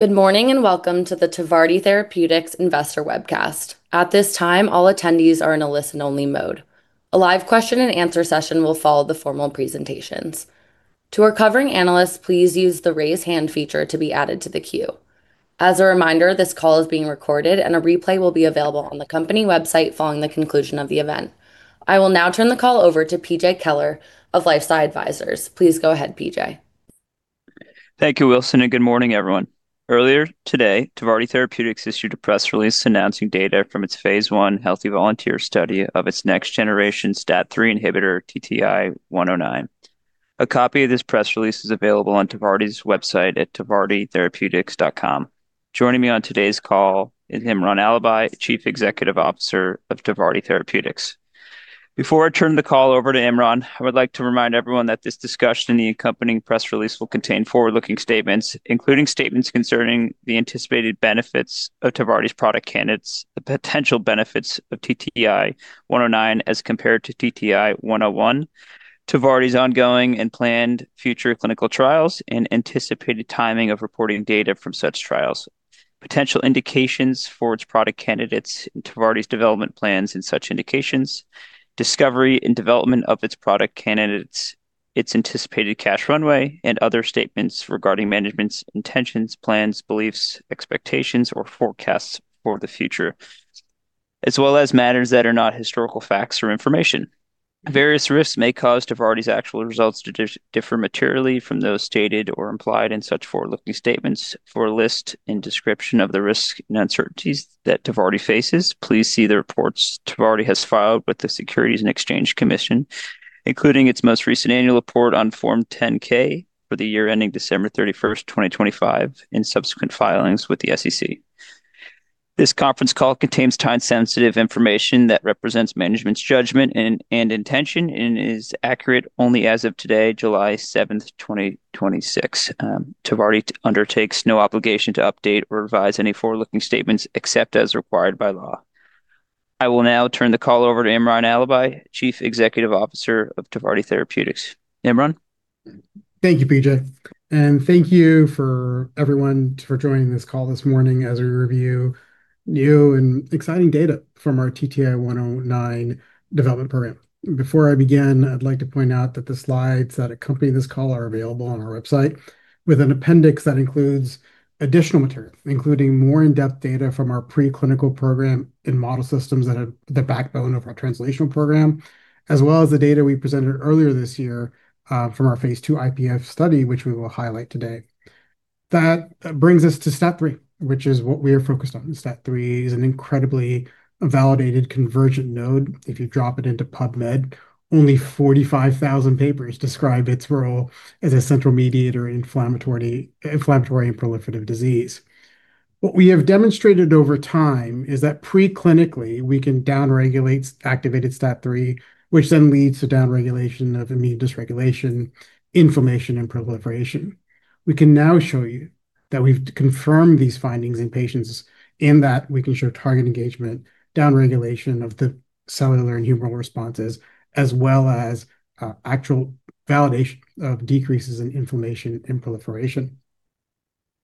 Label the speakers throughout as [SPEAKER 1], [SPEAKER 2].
[SPEAKER 1] Good morning. Welcome to the Tvardi Therapeutics Investor Webcast. At this time, all attendees are in a listen-only mode. A live question and answer session will follow the formal presentations. To our covering analysts, please use the raise hand feature to be added to the queue. As a reminder, this call is being recorded and a replay will be available on the company website following the conclusion of the event. I will now turn the call over to PJ Kelleher of LifeSci Advisors. Please go ahead, PJ.
[SPEAKER 2] Thank you, Wilson. Good morning, everyone. Earlier today, Tvardi Therapeutics issued a press release announcing data from its phase I healthy volunteer study of its next generation STAT3 inhibitor, TTI-109. A copy of this press release is available on tvarditherapeutics.com. Joining me on today's call is Imran Alibhai, Chief Executive Officer of Tvardi Therapeutics. Before I turn the call over to Imran, I would like to remind everyone that this discussion and the accompanying press release will contain forward-looking statements, including statements concerning the anticipated benefits of Tvardi's product candidates, the potential benefits of TTI-109 as compared to TTI-101, Tvardi's ongoing and planned future clinical trials, and anticipated timing of reporting data from such trials, potential indications for its product candidates and Tvardi's development plans and such indications, discovery and development of its product candidates, its anticipated cash runway, and other statements regarding management's intentions, plans, beliefs, expectations, or forecasts for the future, as well as matters that are not historical facts or information. For a list and description of the risks and uncertainties that Tvardi faces, please see the reports Tvardi has filed with the Securities and Exchange Commission, including its most recent annual report on Form 10-K for the year ending December 31, 2025, and subsequent filings with the SEC. This conference call contains time-sensitive information that represents management's judgment and intention and is accurate only as of today, July 7, 2026. Tvardi undertakes no obligation to update or revise any forward-looking statements except as required by law. I will now turn the call over to Imran Alibhai, Chief Executive Officer of Tvardi Therapeutics. Imran?
[SPEAKER 3] Thank you, PJ, and thank you for everyone for joining this call this morning as we review new and exciting data from our TTI-109 development program. Before I begin, I'd like to point out that the slides that accompany this call are available on our website with an appendix that includes additional material, including more in-depth data from our preclinical program in model systems that are the backbone of our translational program, as well as the data we presented earlier this year, from our phase II IPF study, which we will highlight today. That brings us to STAT3, which is what we are focused on. STAT3 is an incredibly validated convergent node. If you drop it into PubMed, only 45,000 papers describe its role as a central mediator in inflammatory and proliferative disease. What we have demonstrated over time is that preclinically, we can downregulate activated STAT3, which then leads to downregulation of immune dysregulation, inflammation, and proliferation. We can now show you that we've confirmed these findings in patients in that we can show target engagement, downregulation of the cellular and humoral responses, as well as actual validation of decreases in inflammation and proliferation.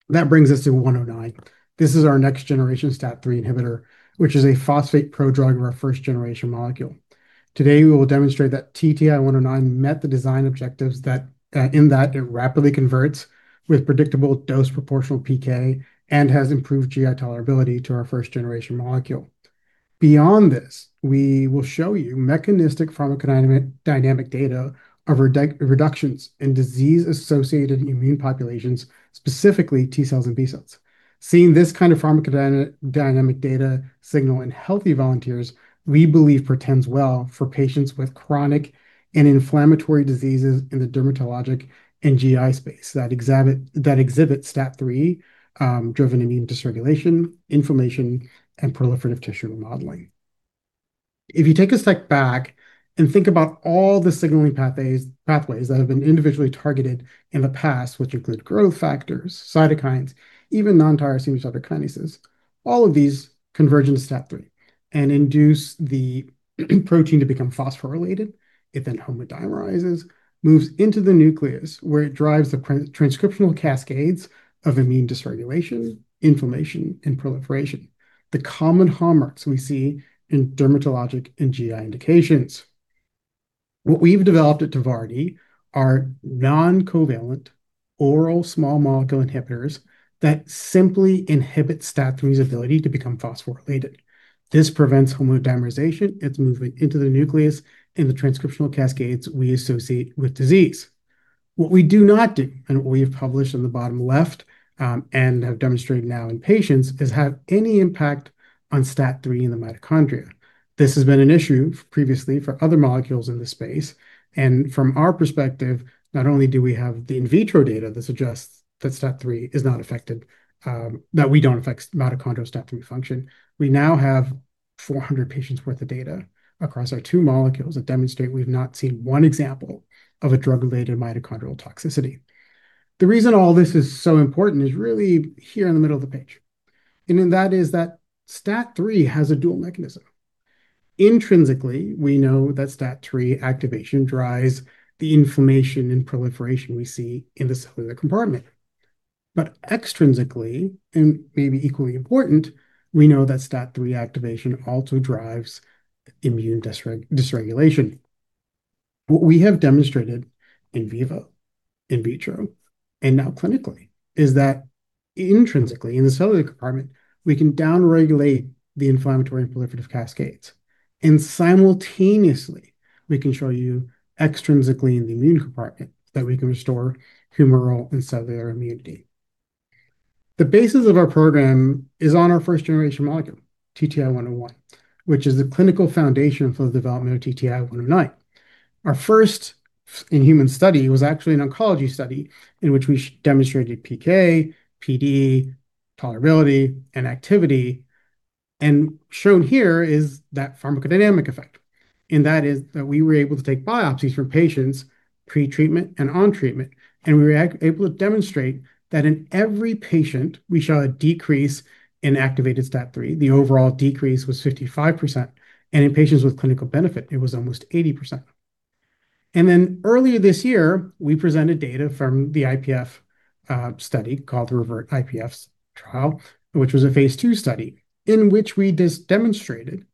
[SPEAKER 3] That brings us to 109. This is our next generation STAT3 inhibitor, which is a phosphate prodrug of our first-generation molecule. Today, we will demonstrate that TTI-109 met the design objectives that in that it rapidly converts with predictable dose proportional PK and has improved GI tolerability to our first-generation molecule. Beyond this, we will show you mechanistic pharmacodynamic data of reductions in disease-associated immune populations, specifically T cells and B cells. Seeing this kind of pharmacodynamic data signal in healthy volunteers, we believe portends well for patients with chronic and inflammatory diseases in the dermatologic and GI space that exhibit STAT3-driven immune dysregulation, inflammation, and proliferative tissue remodeling. If you take a step back and think about all the signaling pathways that have been individually targeted in the past, which include growth factors, cytokines, even non-tyrosine kinases, all of these converge in STAT3 and induce the protein to become phosphorylated. It then homodimerizes, moves into the nucleus where it drives the transcriptional cascades of immune dysregulation, inflammation, and proliferation, the common hallmarks we see in dermatologic and GI indications. What we've developed at Tvardi are non-covalent oral small molecule inhibitors that simply inhibit STAT3's ability to become phosphorylated. This prevents homodimerization, its movement into the nucleus, and the transcriptional cascades we associate with disease. What we do not do, and what we have published on the bottom left, and have demonstrated now in patients, is have any impact on STAT3 in the mitochondria. This has been an issue previously for other molecules in this space. From our perspective, not only do we have the in vitro data that suggests that STAT3 is not affected, that we don't affect mitochondrial STAT3 function, we now have 400 patients worth of data across our two molecules that demonstrate we've not seen one example of a drug-related mitochondrial toxicity. The reason all this is so important is really here in the middle of the page, that STAT3 has a dual mechanism. Intrinsically, we know that STAT3 activation drives the inflammation and proliferation we see in the cellular compartment. Extrinsically, and maybe equally important, we know that STAT3 activation also drives immune dysregulation. What we have demonstrated in vivo, in vitro, and now clinically, is that intrinsically, in the cellular compartment, we can down-regulate the inflammatory and proliferative cascades. Simultaneously, we can show you extrinsically in the immune compartment that we can restore humoral and cellular immunity. The basis of our program is on our first-generation molecule, TTI-101, which is the clinical foundation for the development of TTI-109. Our first in-human study was actually an oncology study in which we demonstrated PK, PD, tolerability, and activity, and shown here is that pharmacodynamic effect. That is that we were able to take biopsies from patients pre-treatment and on treatment, and we were able to demonstrate that in every patient, we saw a decrease in activated STAT3. The overall decrease was 55%, and in patients with clinical benefit, it was almost 80%. Earlier this year, we presented data from the IPF study called the REVERT IPF trial, which was a phase II study in which we demonstrated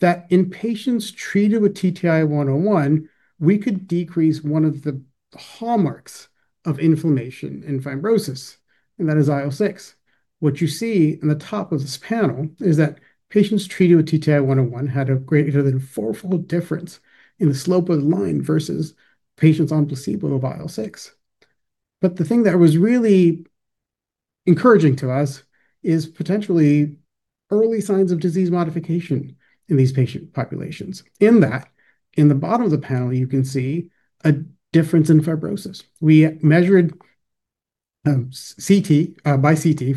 [SPEAKER 3] that in patients treated with TTI-101, we could decrease one of the hallmarks of inflammation and fibrosis, and that is IL-6. What you see in the top of this panel is that patients treated with TTI-101 had a greater than fourfold difference in the slope of the line versus patients on placebo to IL-6. The thing that was really encouraging to us is potentially early signs of disease modification in these patient populations. In that, in the bottom of the panel, you can see a difference in fibrosis. We measured by CT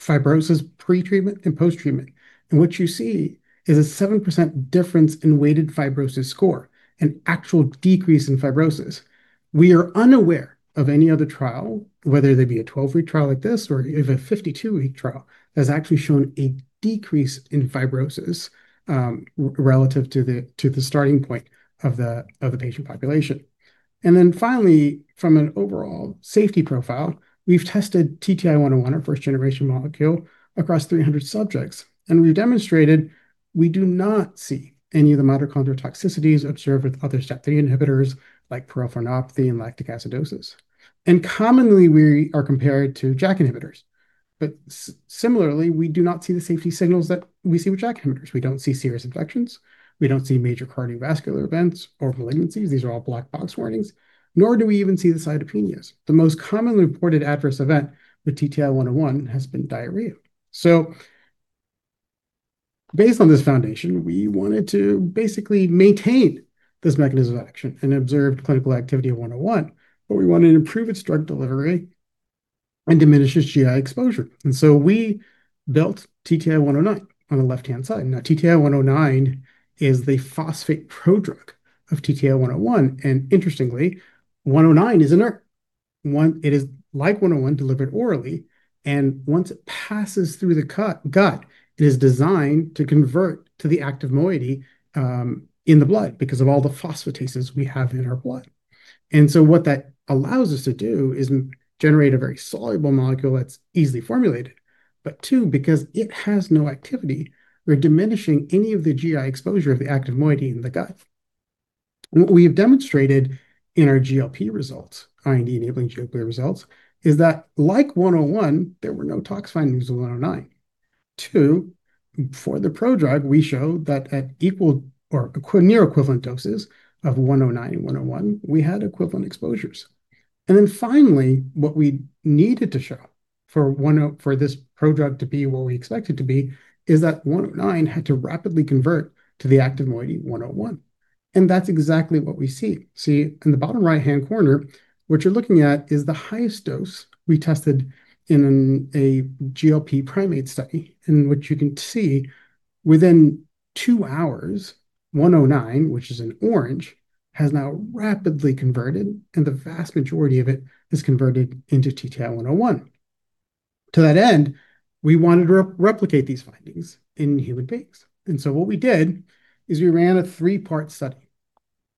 [SPEAKER 3] fibrosis pre-treatment and post-treatment. What you see is a 7% difference in weighted fibrosis score, an actual decrease in fibrosis. We are unaware of any other trial, whether they be a 12-week trial like this or if a 52-week trial, that has actually shown a decrease in fibrosis relative to the starting point of the patient population. Finally, from an overall safety profile, we've tested TTI-101, our first-generation molecule, across 300 subjects. We've demonstrated we do not see any of the mitochondrial toxicities observed with other STAT3 inhibitors like peripheral neuropathy and lactic acidosis. Commonly, we are compared to JAK inhibitors. Similarly, we do not see the safety signals that we see with JAK inhibitors. We don't see serious infections. We don't see major cardiovascular events or malignancies. These are all black box warnings. Nor do we even see the cytopenias. The most commonly reported adverse event with TTI-101 has been diarrhea. Based on this foundation, we wanted to basically maintain this mechanism of action and observed clinical activity of 101, we wanted to improve its drug delivery and diminish its GI exposure. We built TTI-109 on the left-hand side. Now, TTI-109 is the phosphate prodrug of TTI-101, interestingly, 109 is inert. It is like 101 delivered orally, once it passes through the gut, it is designed to convert to the active moiety in the blood because of all the phosphatases we have in our blood. What that allows us to do is generate a very soluble molecule that's easily formulated. Two, because it has no activity, we're diminishing any of the GI exposure of the active moiety in the gut. What we have demonstrated in our GLP results, IND-enabling GLP results, is that like 101, there were no tox findings with 109. Two, for the prodrug, we show that at equal or near equivalent doses of 109 and 101, we had equivalent exposures. Finally, what we needed to show for this prodrug to be what we expect it to be is that 109 had to rapidly convert to the active moiety 101. That's exactly what we see. In the bottom right-hand corner, what you're looking at is the highest dose we tested in a GLP primate study. What you can see, within two hours, 109, which is in orange, has now rapidly converted, and the vast majority of it is converted into TTI-101. To that end, we wanted to replicate these findings in human beings. What we did is we ran a three-part study.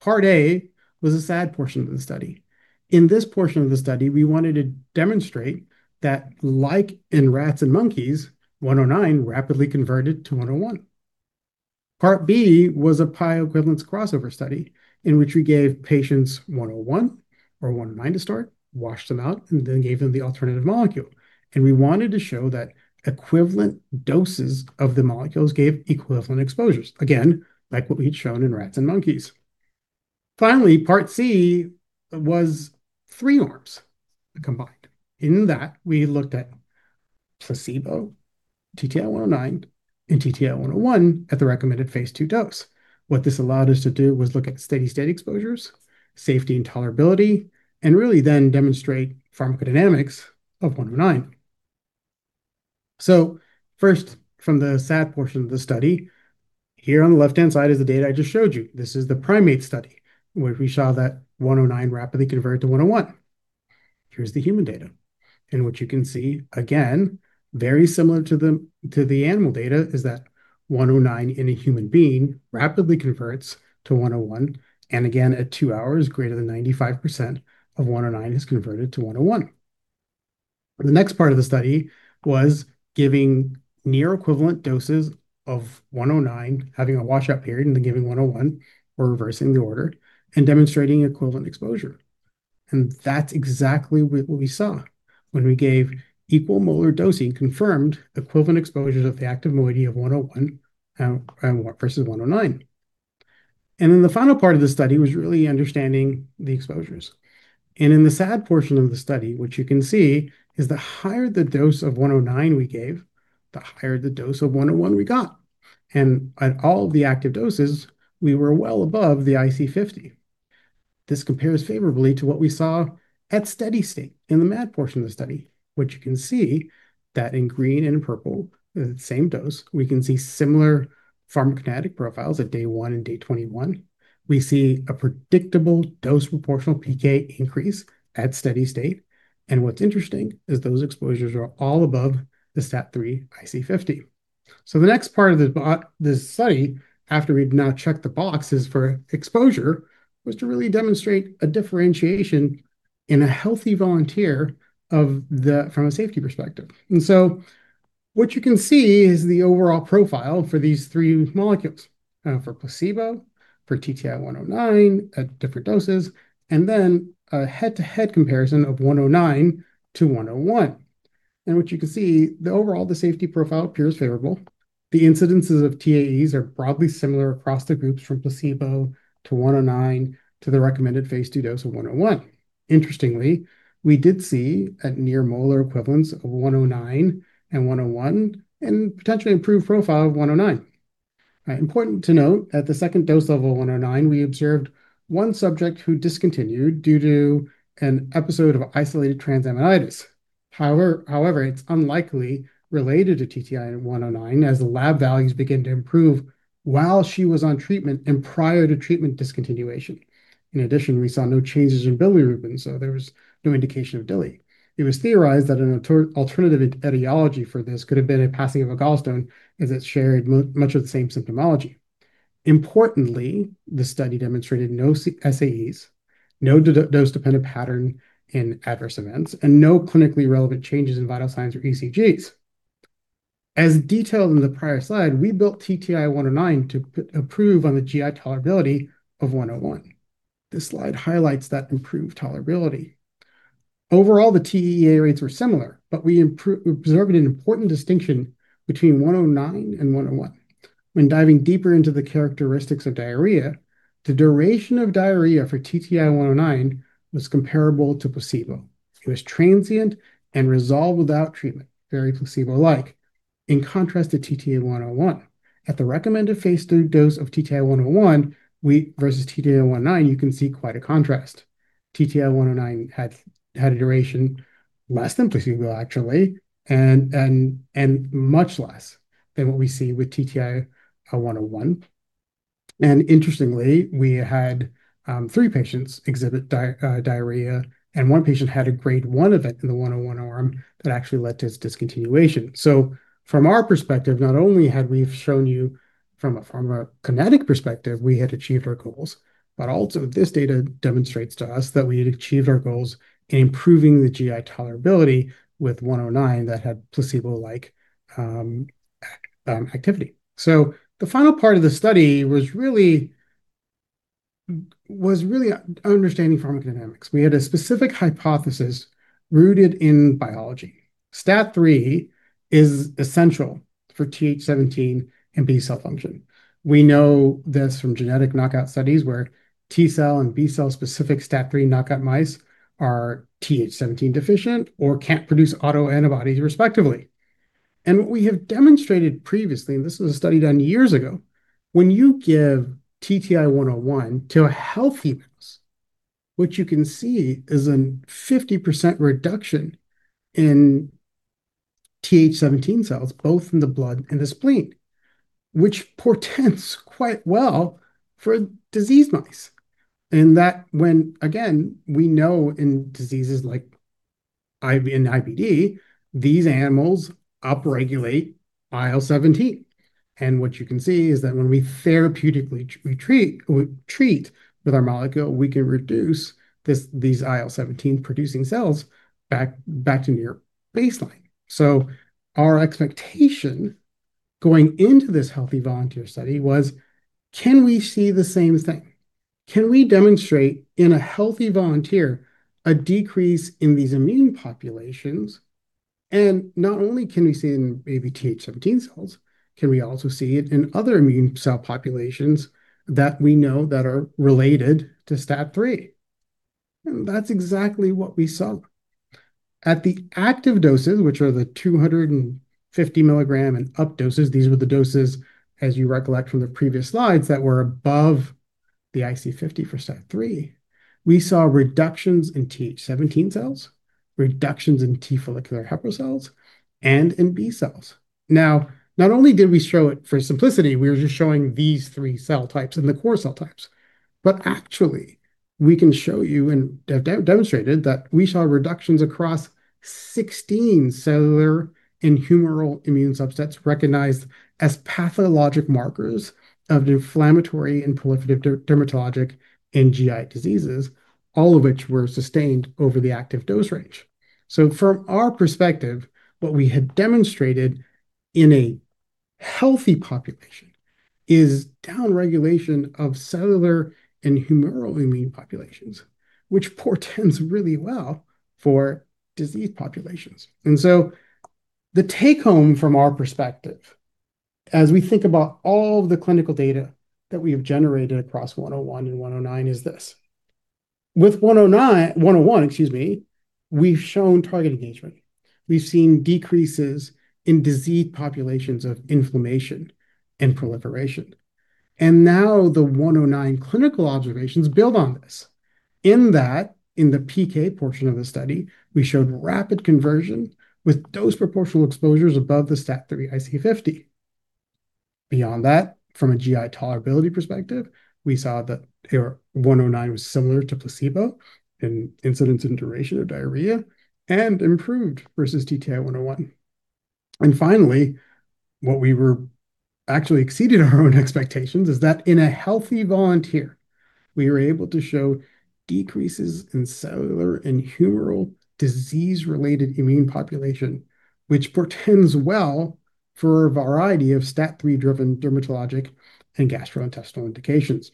[SPEAKER 3] Part A was a SAD portion of the study. In this portion of the study, we wanted to demonstrate that like in rats and monkeys, 109 rapidly converted to 101. Part B was a bioequivalence crossover study in which we gave patients 101 or 109 to start, washed them out, then gave them the alternative molecule. We wanted to show that equivalent doses of the molecules gave equivalent exposures, again, like what we had shown in rats and monkeys. Finally, Part C was three arms combined. In that, we looked at placebo, TTI-109, and TTI-101 at the recommended phase II dose. What this allowed us to do was look at steady-state exposures, safety and tolerability, really then demonstrate pharmacodynamics of 109. First, from the SAD portion of the study, here on the left-hand side is the data I just showed you. This is the primate study, where we saw that 109 rapidly converted to 101. Here's the human data. What you can see, again, very similar to the animal data, is that 109 in a human being rapidly converts to 101, again, at two hours, greater than 95% of 109 is converted to 101. The next part of the study was giving near equivalent doses of 109, having a washout period, then giving 101, or reversing the order, demonstrating equivalent exposure. That's exactly what we saw. When we gave equal molar dosing, confirmed equivalent exposures of the active moiety of 101 versus 109. The final part of the study was really understanding the exposures. In the SAD portion of the study, what you can see is the higher the dose of 109 we gave, the higher the dose of 101 we got. At all of the active doses, we were well above the IC50. This compares favorably to what we saw at steady state in the MAD portion of the study. What you can see, in green and in purple, the same dose, we can see similar pharmacokinetic profiles at day one and day 21. We see a predictable dose proportional PK increase at steady state. What's interesting is those exposures are all above the STAT3 IC50. The next part of this study, after we'd now checked the boxes for exposure, was to really demonstrate a differentiation in a healthy volunteer from a safety perspective. What you can see is the overall profile for these three molecules. For placebo, for TTI-109 at different doses, then a head-to-head comparison of 109 to 101. What you can see, the overall, the safety profile appears favorable. The incidences of TEAEs are broadly similar across the groups from placebo to 109 to the recommended phase II dose of 101. Interestingly, we did see at near molar equivalents of 109 and 101, and potentially improved profile of 109. Important to note, at the dose level 2 of 109, we observed one subject who discontinued due to an episode of isolated transaminitis. However, it's unlikely related to TTI-109 as the lab values begin to improve while she was on treatment and prior to treatment discontinuation. In addition, we saw no changes in bilirubin, so there was no indication of DILI. It was theorized that an alternative etiology for this could have been a passing of a gallstone, as it shared much of the same symptomology. Importantly, the study demonstrated no SAEs, no dose-dependent pattern in adverse events, and no clinically relevant changes in vital signs or ECGs. As detailed in the prior slide, we built TTI-109 to improve on the GI tolerability of 101. This slide highlights that improved tolerability. Overall, the TEAE rates were similar, but we observed an important distinction between 109 and 101. When diving deeper into the characteristics of diarrhea, the duration of diarrhea for TTI-109 was comparable to placebo. It was transient and resolved without treatment, very placebo-like, in contrast to TTI-101. At the recommended phase III dose of TTI-101 versus TTI-109, you can see quite a contrast. TTI-109 had a duration less than placebo, actually, and much less than what we see with TTI-101. Interestingly, we had three patients exhibit diarrhea, and one patient had a grade one event in the 101 arm that actually led to his discontinuation. From our perspective, not only had we shown you from a pharmacokinetic perspective, we had achieved our goals, but also this data demonstrates to us that we had achieved our goals in improving the GI tolerability with 109 that had placebo-like activity. The final part of the study was really understanding pharmacodynamics. We had a specific hypothesis rooted in biology. STAT3 is essential for Th17 and B cell function. We know this from genetic knockout studies where T cell and B cell specific STAT3 knockout mice are Th17 deficient or can't produce autoantibodies respectively. What we have demonstrated previously, and this was a study done years ago, when you give TTI-101 to a healthy mouse, what you can see is a 50% reduction in Th17 cells, both in the blood and the spleen, which portends quite well for diseased mice. That when, again, we know in diseases like in IBD, these animals upregulate IL-17. What you can see is that when we therapeutically treat with our molecule, we can reduce these IL-17-producing cells back to near baseline. Our expectation going into this healthy volunteer study was, can we see the same thing? Can we demonstrate in a healthy volunteer a decrease in these immune populations? Not only can we see it in maybe Th17 cells, can we also see it in other immune cell populations that we know that are related to STAT3? That's exactly what we saw. At the active doses, which are the 250 mg and up doses, these were the doses, as you recollect from the previous slides, that were above the IC50 for STAT3. We saw reductions in Th17 cells, reductions in T follicular helper cells, and in B cells. Not only did we show it for simplicity, we were just showing these three cell types and the core cell types. We can show you, and have demonstrated, that we saw reductions across 16 cellular and humoral immune subsets recognized as pathologic markers of the inflammatory and proliferative dermatologic and GI diseases, all of which were sustained over the active dose range. From our perspective, what we had demonstrated in a healthy population is downregulation of cellular and humoral immune populations, which portends really well for disease populations. The take-home from our perspective, as we think about all the clinical data that we have generated across 101 and 109, is this. With 101, excuse me, we've shown target engagement. We've seen decreases in diseased populations of inflammation and proliferation. Now the 109 clinical observations build on this, in that in the PK portion of the study, we showed rapid conversion with dose proportional exposures above the STAT3 IC50. Beyond that, from a GI tolerability perspective, we saw that 109 was similar to placebo in incidence and duration of diarrhea, and improved versus TTI-101. Finally, actually exceeded our own expectations is that in a healthy volunteer, we were able to show decreases in cellular and humoral disease-related immune population, which portends well for a variety of STAT3-driven dermatologic and gastrointestinal indications.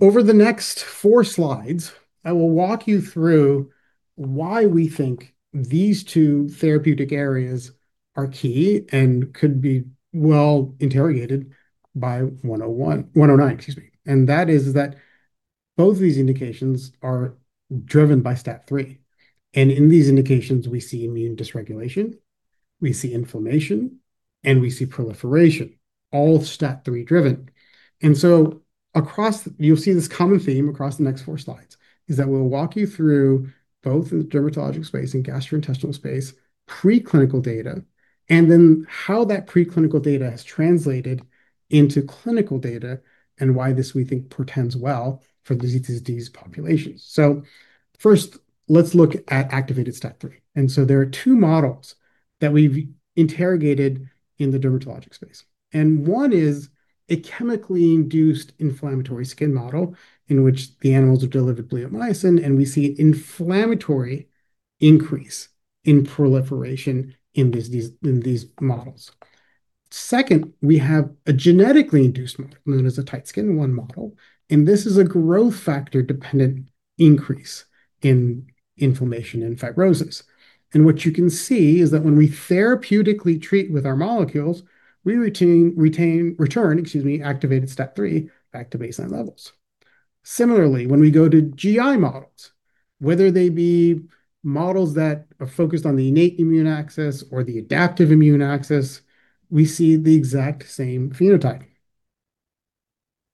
[SPEAKER 3] Over the next four slides, I will walk you through why we think these two therapeutic areas are key and could be well interrogated by 109, excuse me. That is that both these indications are driven by STAT3. In these indications, we see immune dysregulation, we see inflammation, and we see proliferation, all STAT3 driven. You'll see this common theme across the next four slides, is that we'll walk you through both the dermatologic space and gastrointestinal space preclinical data, and then how that preclinical data has translated into clinical data, and why this, we think, portends well for the [ZTD's populations. First, let's look at activated STAT3. There are two models that we've interrogated in the dermatologic space. One is a chemically induced inflammatory skin model in which the animals are delivered bleomycin, and we see inflammatory increase in proliferation in these models. Second, we have a genetically induced model known as a tight skin-1 model, and this is a growth factor-dependent increase in inflammation and fibrosis. What you can see is that when we therapeutically treat with our molecules, we return activated STAT3 back to baseline levels. Similarly, when we go to GI models, whether they be models that are focused on the innate immune axis or the adaptive immune axis, we see the exact same phenotype.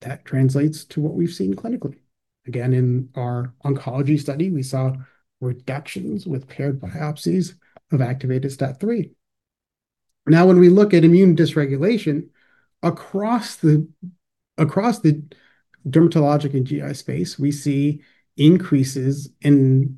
[SPEAKER 3] That translates to what we've seen clinically. Again, in our oncology study, we saw reductions with paired biopsies of activated STAT3. When we look at immune dysregulation across the dermatologic and GI space, we see increases in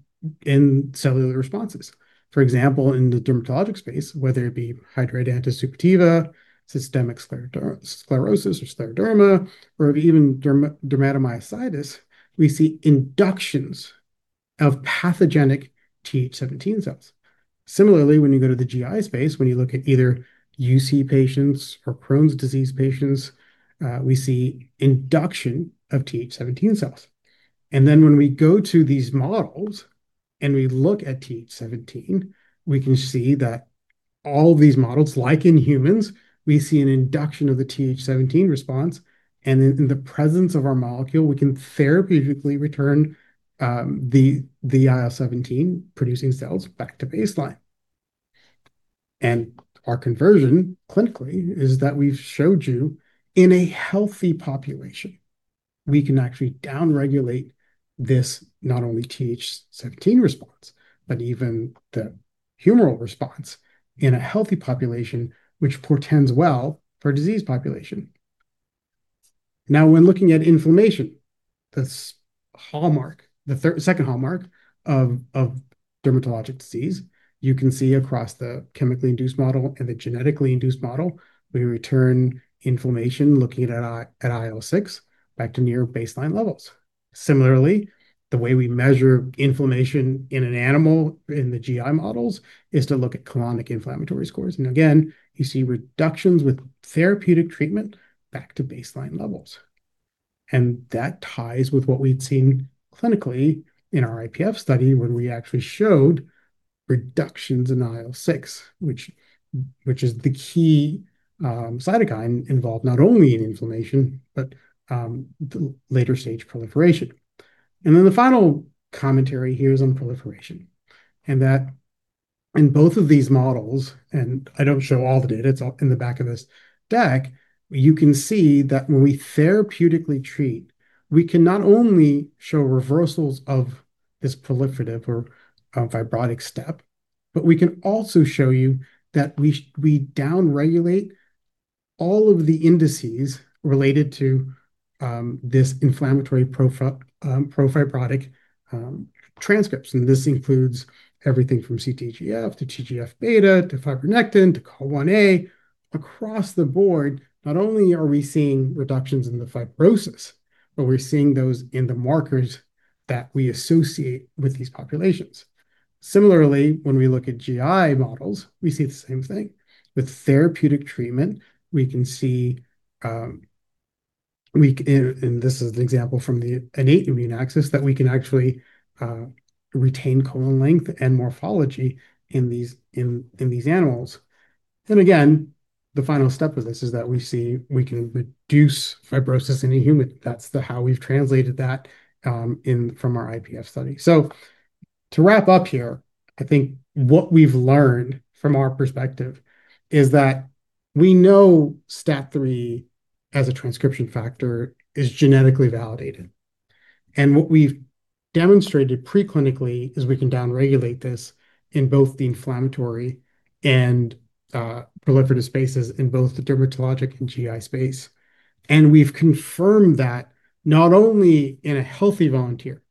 [SPEAKER 3] cellular responses. For example, in the dermatologic space, whether it be hidradenitis suppurativa, systemic sclerosis or scleroderma, or even dermatomyositis, we see inductions of pathogenic Th17 cells. Similarly, when you go to the GI space, when you look at either UC patients or Crohn's disease patients, we see induction of Th17 cells. When we go to these models and we look at Th17, we can see that all of these models, like in humans, we see an induction of the Th17 response. In the presence of our molecule, we can therapeutically return the IL-17 producing cells back to baseline. Our conversion, clinically, is that we've showed you in a healthy population, we can actually downregulate this, not only Th17 response, but even the humoral response in a healthy population, which portends well for a diseased population. When looking at inflammation, the second hallmark of dermatologic disease, you can see across the chemically induced model and the genetically induced model, we return inflammation looking at IL-6 back to near baseline levels. Similarly, the way we measure inflammation in an animal in the GI models is to look at colonic inflammatory scores. Again, you see reductions with therapeutic treatment back to baseline levels. That ties with what we'd seen clinically in our IPF study when we actually showed reductions in IL-6, which is the key cytokine involved not only in inflammation, but the later stage proliferation. The final commentary here is on proliferation. That in both of these models, and I don't show all the data, it's in the back of this deck, you can see that when we therapeutically treat, we can not only show reversals of this proliferative or fibrotic step, but we can also show you that we downregulate all of the indices related to this inflammatory pro-fibrotic transcripts, and this includes everything from CTGF to TGF-β to fibronectin to COL1A1 across the board, not only are we seeing reductions in the fibrosis, but we're seeing those in the markers that we associate with these populations. Similarly, when we look at GI models, we see the same thing. With therapeutic treatment, we can see, and this is an example from the innate immune axis, that we can actually retain colon length and morphology in these animals. Again, the final step of this is that we see we can reduce fibrosis in a human. That's how we've translated that from our IPF study. To wrap up here, I think what we've learned from our perspective is that we know STAT3 as a transcription factor is genetically validated. What we've demonstrated pre-clinically is we can downregulate this in both the inflammatory and proliferative spaces in both the dermatologic and GI space. We've confirmed that not only in a healthy volunteer,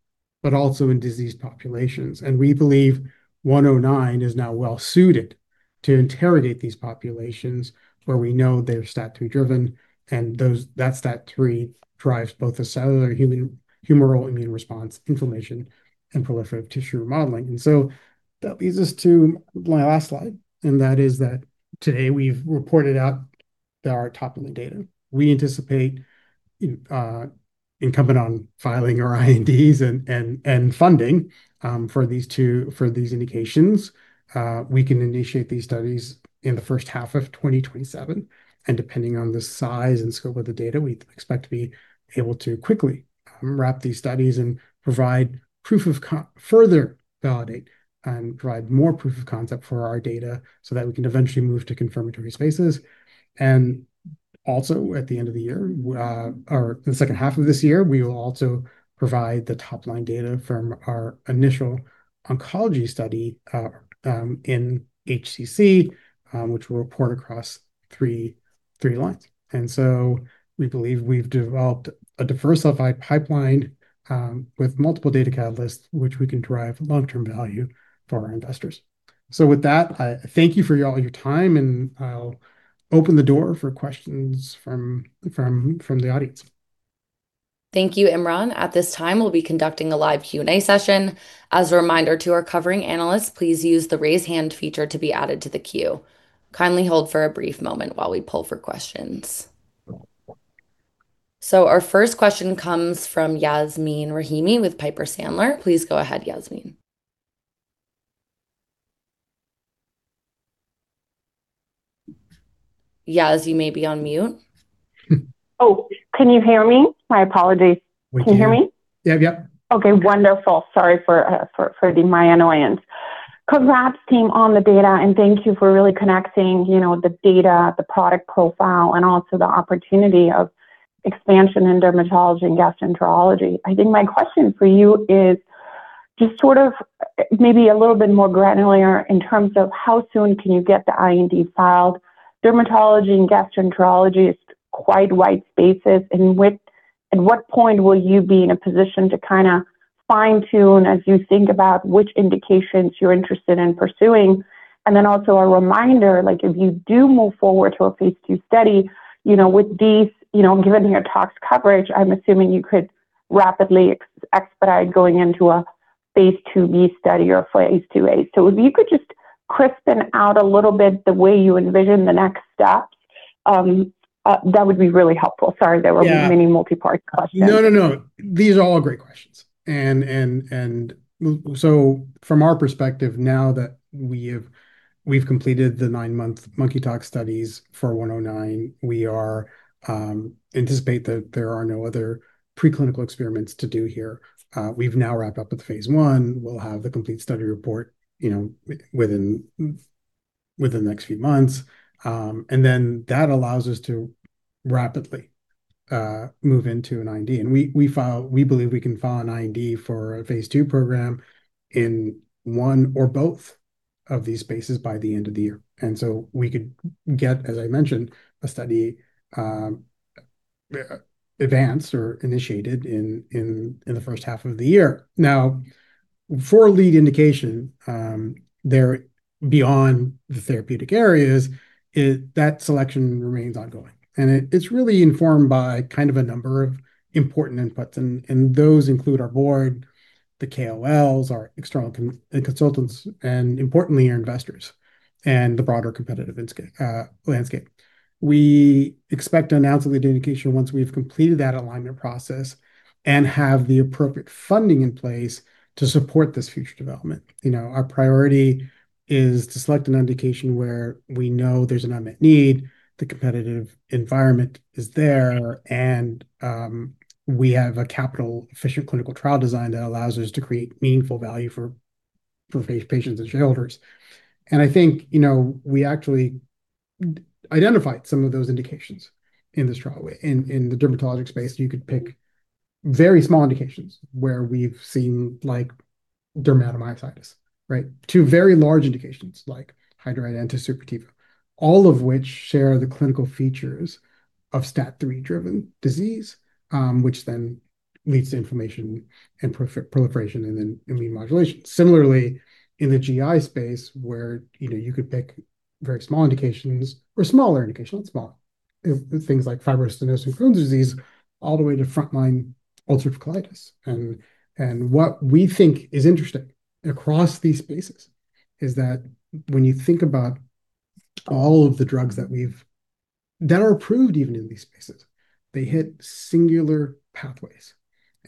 [SPEAKER 3] but also in diseased populations. We believe 109 is now well-suited to interrogate these populations where we know they're STAT3-driven, and that STAT3 drives both a cellular humoral immune response, inflammation, and proliferative tissue remodeling. That leads us to my last slide, and that is that today we've reported out our top-line data. We anticipate, incumbent on filing our INDs and funding for these indications, we can initiate these studies in the first half of 2027. Depending on the size and scope of the data, we expect to be able to quickly wrap these studies and further validate and provide more proof of concept for our data so that we can eventually move to confirmatory spaces. Also at the end of the year, or the second half of this year, we will also provide the top-line data from our initial oncology study in HCC, which we'll report across three lines. We believe we've developed a diversified pipeline, with multiple data catalysts, which we can drive long-term value for our investors. With that, I thank you for all your time, and I'll open the door for questions from the audience.
[SPEAKER 1] Thank you, Imran. At this time, we'll be conducting a live Q&A session. As a reminder to our covering analysts, please use the raise hand feature to be added to the queue. Kindly hold for a brief moment while we pull for questions. Our first question comes from Yasmeen Rahimi with Piper Sandler. Please go ahead, Yasmeen. Yas, you may be on mute.
[SPEAKER 4] Can you hear me? My apologies.
[SPEAKER 3] We can hear you.
[SPEAKER 4] Can you hear me?
[SPEAKER 3] Yeah. Yep.
[SPEAKER 4] Okay, wonderful. Sorry for my annoyance. Congrats team on the data, and thank you for really connecting the data, the product profile, and also the opportunity of expansion in dermatology and gastroenterology. I think my question for you is just sort of maybe a little bit more granular in terms of how soon can you get the IND filed. Dermatology and gastroenterology is quite wide spaces. What point will you be in a position to kind of fine-tune as you think about which indications you're interested in pursuing? Also a reminder, if you do move forward to a phase II study, with these, given your tox coverage, I'm assuming you could rapidly expedite going into a phase II-B study or a phase II-A. If you could just crisp out a little bit the way you envision the next steps, that would be really helpful. Sorry.
[SPEAKER 3] Yeah
[SPEAKER 4] was a mini multi-part question.
[SPEAKER 3] No. These are all great questions. From our perspective now that we've completed the nine-month monkey tox studies for 109, we anticipate that there are no other preclinical experiments to do here. We've now wrapped up with phase I. We'll have the complete study report within the next few months. That allows us to rapidly move into an IND. We believe we can file an IND for a phase II program in one or both of these spaces by the end of the year. We could get, as I mentioned, a study, advanced or initiated in the first half of the year. For lead indication, they're beyond the therapeutic areas, that selection remains ongoing. It's really informed by kind of a number of important inputs, and those include our board, the KOLs, our external consultants, and importantly, our investors and the broader competitive landscape. We expect to announce the lead indication once we've completed that alignment process and have the appropriate funding in place to support this future development. Our priority is to select an indication where we know there's an unmet need, the competitive environment is there, and we have a capital-efficient clinical trial design that allows us to create meaningful value for patients and shareholders. I think, we actually identified some of those indications in the dermatologic space. You could pick very small indications where we've seen dermatomyositis, to very large indications like hidradenitis suppurativa, all of which share the clinical features of STAT3-driven disease, which then leads to inflammation and proliferation, and then immune modulation. Similarly, in the GI space, where you could pick very small indications, or smaller indications, not small, things like Fibro-stenosing crohn's disease, all the way to frontline ulcerative colitis. What we think is interesting across these spaces is that when you think about all of the drugs that are approved, even in these spaces, they hit singular pathways.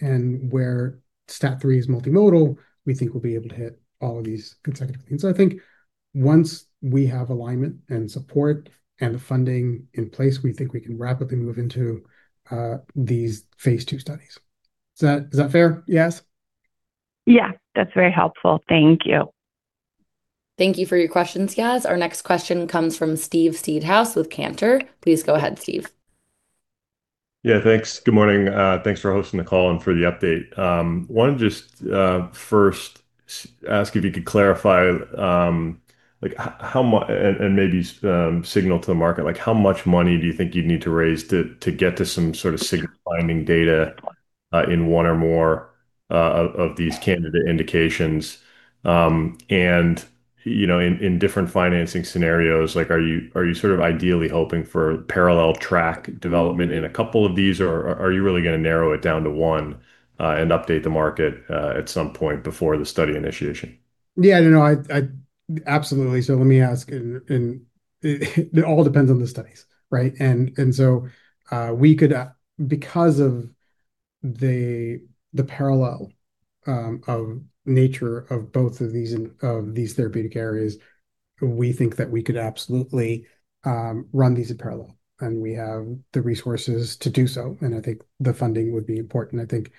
[SPEAKER 3] Where STAT3 is multimodal, we think we'll be able to hit all of these consecutive things. I think once we have alignment and support and the funding in place, we think we can rapidly move into these phase II studies. Is that fair, Yas?
[SPEAKER 4] Yeah. That's very helpful. Thank you.
[SPEAKER 1] Thank you for your questions, Yas. Our next question comes from Steve Seedhouse with Cantor. Please go ahead, Steve.
[SPEAKER 5] Yeah. Thanks. Good morning. Thanks for hosting the call and for the update. Wanted to just first ask if you could clarify, and maybe signal to the market, how much money do you think you'd need to raise to get to some sort of signal finding data in one or more of these candidate indications? In different financing scenarios, are you sort of ideally hoping for parallel track development in a couple of these, or are you really going to narrow it down to one and update the market at some point before the study initiation?
[SPEAKER 3] Yeah. No, absolutely. Let me ask, and it all depends on the studies, right? Because of the parallel nature of both of these therapeutic areas, we think that we could absolutely run these in parallel, and we have the resources to do so, and I think the funding would be important. I think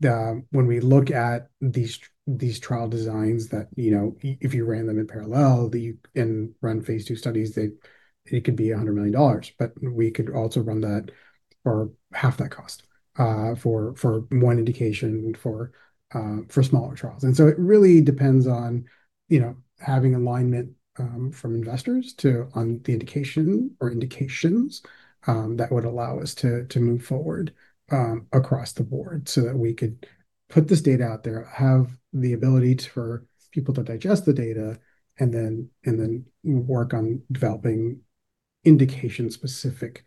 [SPEAKER 3] when we look at these trial designs that if you ran them in parallel and run phase II studies, it could be $100 million, but we could also run that for half that cost for one indication for smaller trials. It really depends on having alignment from investors on the indication or indications that would allow us to move forward across the board so that we could put this data out there, have the ability for people to digest the data, then work on developing indication-specific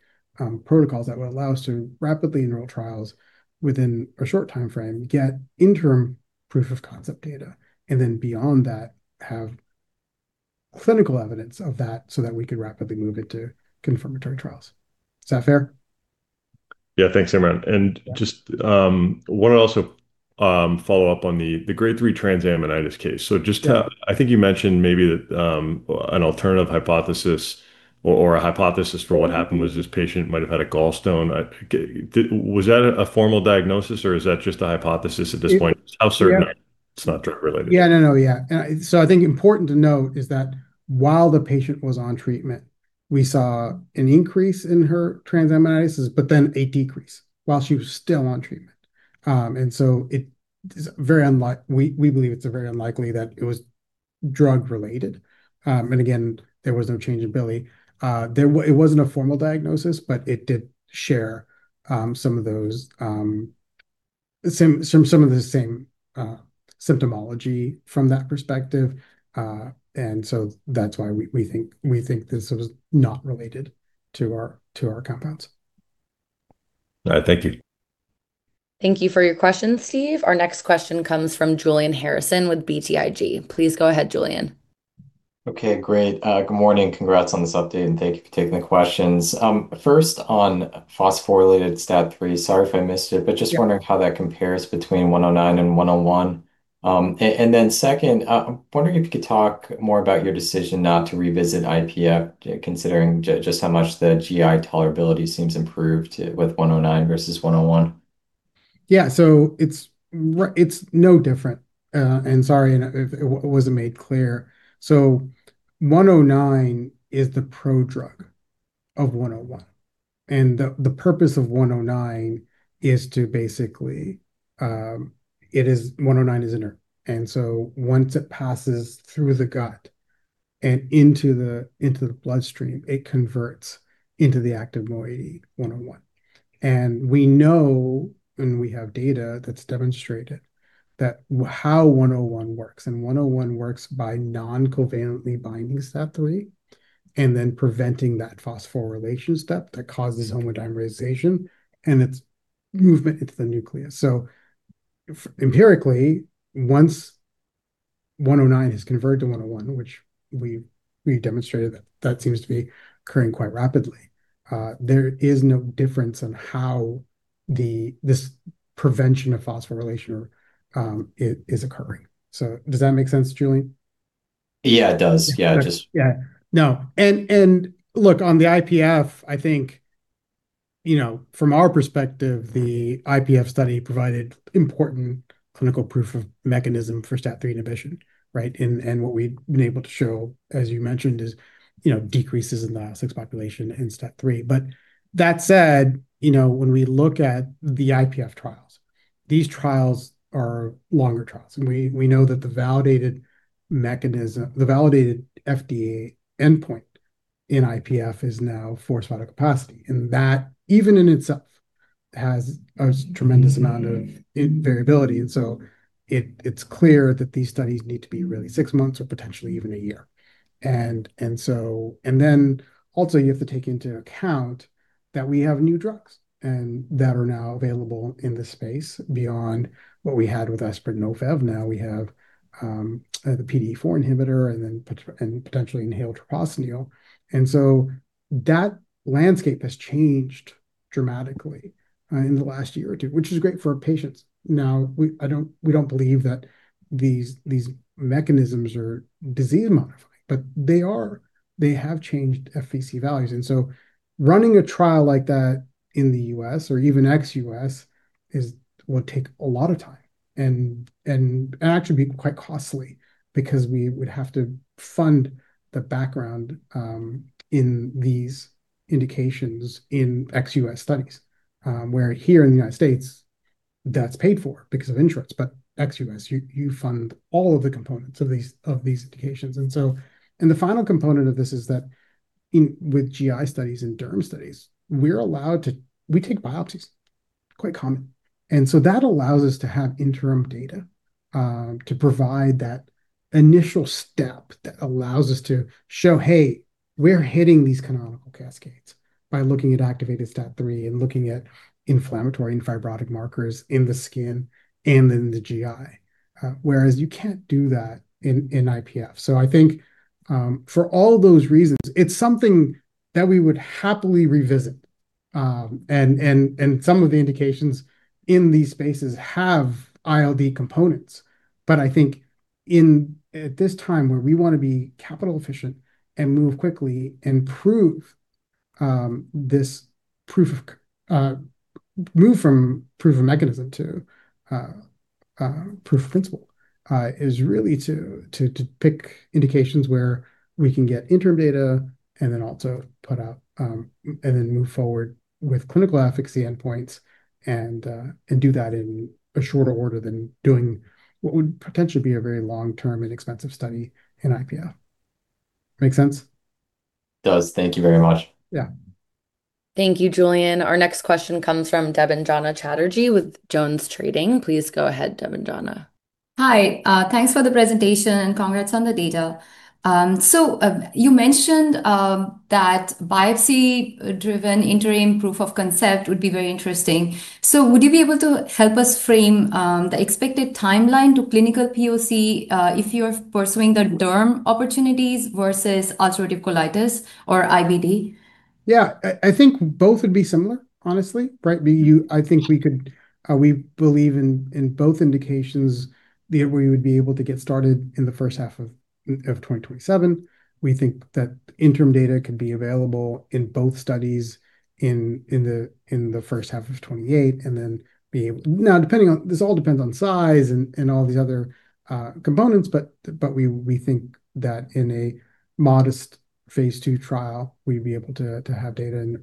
[SPEAKER 3] protocols that would allow us to rapidly enroll trials within a short timeframe, get interim proof of concept data. Beyond that, have clinical evidence of that so that we could rapidly move into confirmatory trials. Is that fair?
[SPEAKER 5] Yeah. Thanks, Imran. Just want to also follow up on the grade three transaminitis case.
[SPEAKER 3] Yeah.
[SPEAKER 5] I think you mentioned maybe that an alternative hypothesis or a hypothesis for what happened was this patient might have had a gallstone. Was that a formal diagnosis, or is that just a hypothesis at this point?
[SPEAKER 3] Yeah.
[SPEAKER 5] How certain are you it's not drug-related?
[SPEAKER 3] Yeah. No. I think important to note is that while the patient was on treatment, we saw an increase in her transaminitis, a decrease while she was still on treatment. We believe it's very unlikely that it was drug-related. Again, there was no change in bili. It wasn't a formal diagnosis, but it did share some of the same symptomology from that perspective. That's why we think this was not related to our compounds.
[SPEAKER 5] All right. Thank you.
[SPEAKER 1] Thank you for your question, Steve. Our next question comes from Julian Harrison with BTIG. Please go ahead, Julian.
[SPEAKER 6] Okay. Great. Good morning. Congrats on this update, thank you for taking the questions. First, on phosphorylated STAT3, sorry if I missed it, but just wondering how that compares between 109 and 101. Second, I'm wondering if you could talk more about your decision not to revisit IPF, considering just how much the GI tolerability seems improved with 109 versus 101.
[SPEAKER 3] Yeah. It's no different. Sorry if it wasn't made clear. 109 is the prodrug of 101, the purpose of 109 is to basically, 109 is inert. Once it passes through the gut and into the bloodstream, it converts into the active moiety 101. We know, and we have data that's demonstrated how 101 works, and 101 works by non-covalently binding STAT3 and then preventing that phosphorylation step that causes homodimerization and its movement into the nucleus. Empirically, once 109 is converted to 101, which we demonstrated that that seems to be occurring quite rapidly, there is no difference in how this prevention of phosphorylation is occurring. Does that make sense, Julian?
[SPEAKER 6] Yeah, it does. Yeah.
[SPEAKER 3] Yeah. No. Look, on the IPF, I think from our perspective, the IPF study provided important clinical proof of mechanism for STAT3 inhibition, right? What we've been able to show, as you mentioned, is decreases in the IL-6 population and STAT3. That said, when we look at the IPF trials, these trials are longer trials, we know that the validated FDA endpoint in IPF is now forced vital capacity, and that, even in itself, has a tremendous amount of variability. It's clear that these studies need to be really six months or potentially even a year. Also you have to take into account that we have new drugs, and that are now available in this space beyond what we had with Esbriet, OFEV. Now we have the PDE4 inhibitor and potentially inhaled treprostinil. That landscape has changed dramatically in the last year or two, which is great for patients. We don't believe that these mechanisms are disease modifying, but they have changed FVC values, running a trial like that in the U.S. or even ex-U.S., would take a lot of time and actually be quite costly because we would have to fund the background in these indications in ex-U.S. studies. Where here in the United States, that's paid for because of insurance, but ex-U.S., you fund all of the components of these indications. The final component of this is that with GI studies and derm studies, we take biopsies. Quite common. That allows us to have interim data, to provide that initial step that allows us to show, hey, we're hitting these canonical cascades by looking at activated STAT3 and looking at inflammatory and fibrotic markers in the skin and in the GI. Whereas you can't do that in IPF. I think, for all those reasons, it's something that we would happily revisit, and some of the indications in these spaces have ILD components. I think at this time, where we want to be capital efficient and move quickly and move from proof of mechanism to proof of principle, is really to pick indications where we can get interim data and then move forward with clinical efficacy endpoints and do that in a shorter order than doing what would potentially be a very long-term and expensive study in IPF. Make sense?
[SPEAKER 6] It does. Thank you very much.
[SPEAKER 3] Yeah.
[SPEAKER 1] Thank you, Julian. Our next question comes from Debanjana Chatterjee with JonesTrading. Please go ahead, Debanjana.
[SPEAKER 7] Hi. Thanks for the presentation, and congrats on the data. You mentioned that biopsy-driven interim proof of concept would be very interesting. Would you be able to help us frame the expected timeline to clinical POC, if you're pursuing the derm opportunities versus ulcerative colitis or IBD?
[SPEAKER 3] Yeah. I think both would be similar, honestly, right? We believe in both indications that we would be able to get started in the first half of 2027. We think that interim data could be available in both studies in the first half of 2028. This all depends on size and all these other components, but we think that in a modest phase II trial, we'd be able to have data in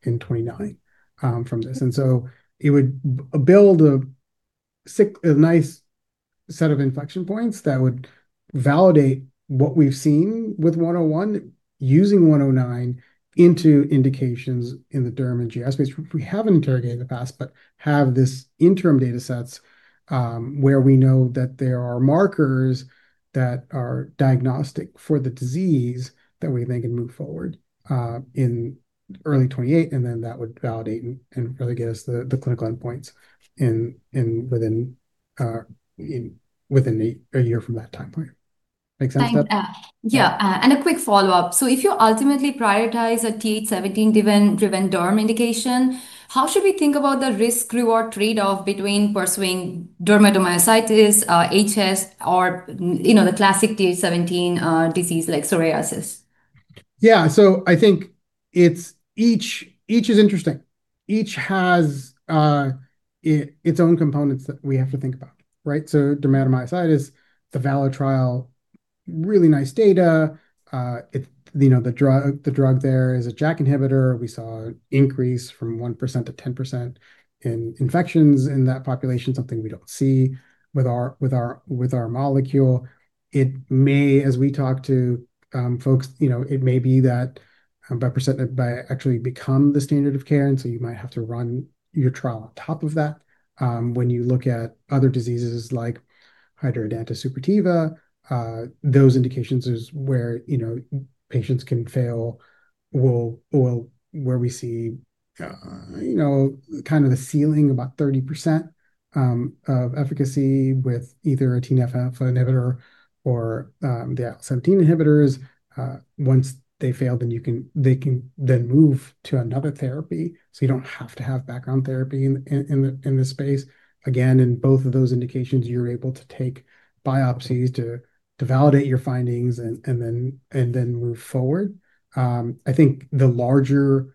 [SPEAKER 3] 2029 from this. It would build a nice set of inflection points that would validate what we've seen with TTI-101, using TTI-109 into indications in the derm and GI space we haven't interrogated in the past, but have this interim data sets, where we know that there are markers that are diagnostic for the disease that we then can move forward, in early 2028, and then that would validate and really give us the clinical endpoints within a year from that time point. Make sense, Deb?
[SPEAKER 7] Yeah. A quick follow-up. If you ultimately prioritize a Th17-driven derm indication, how should we think about the risk-reward trade-off between pursuing dermatomyositis, HS, or the classic Th17 disease, like psoriasis?
[SPEAKER 3] Yeah. I think each is interesting. Each has its own components that we have to think about, right? Dermatomyositis, the valid trial, really nice data. The drug there is a JAK inhibitor. We saw an increase from 1% to 10% in infections in that population, something we don't see with our molecule. As we talk to folks, it may be that baricitinib actually become the standard of care, and you might have to run your trial on top of that. When you look at other diseases like hidradenitis suppurativa, those indications is where patients can fail, where we see the ceiling about 30% of efficacy with either a TNF-alpha inhibitor or the IL-17 inhibitors. Once they fail, they can then move to another therapy, so you don't have to have background therapy in this space. In both of those indications, you're able to take biopsies to validate your findings and then move forward. I think the larger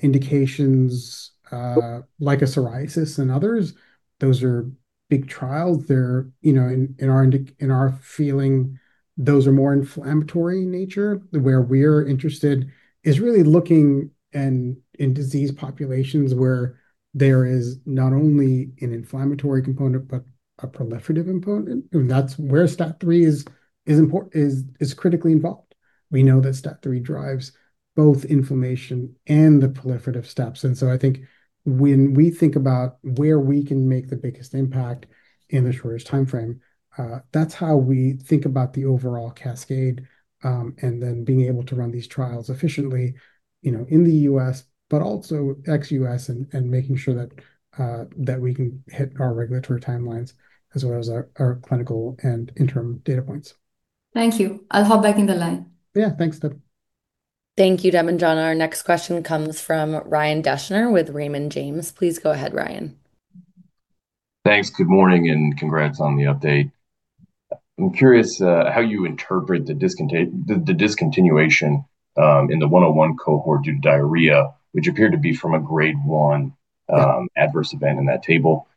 [SPEAKER 3] indications like a psoriasis and others. Those are big trials. In our feeling, those are more inflammatory in nature. Where we're interested is really looking in disease populations where there is not only an inflammatory component, but a proliferative component, and that's where STAT3 is critically involved. We know that STAT3 drives both inflammation and the proliferative steps. I think when we think about where we can make the biggest impact in the shortest timeframe, that's how we think about the overall cascade. Then being able to run these trials efficiently in the U.S., but also ex-U.S., and making sure that we can hit our regulatory timelines as well as our clinical and interim data points.
[SPEAKER 7] Thank you. I'll hop back in the line.
[SPEAKER 3] Yeah. Thanks, Deb.
[SPEAKER 1] Thank you, Debanjana. Our next question comes from Ryan Deschner with Raymond James. Please go ahead, Ryan.
[SPEAKER 8] Thanks. Good morning. Congrats on the update. I'm curious how you interpret the discontinuation in the 101 cohort due to diarrhea, which appeared to be from a grade one adverse event in that table.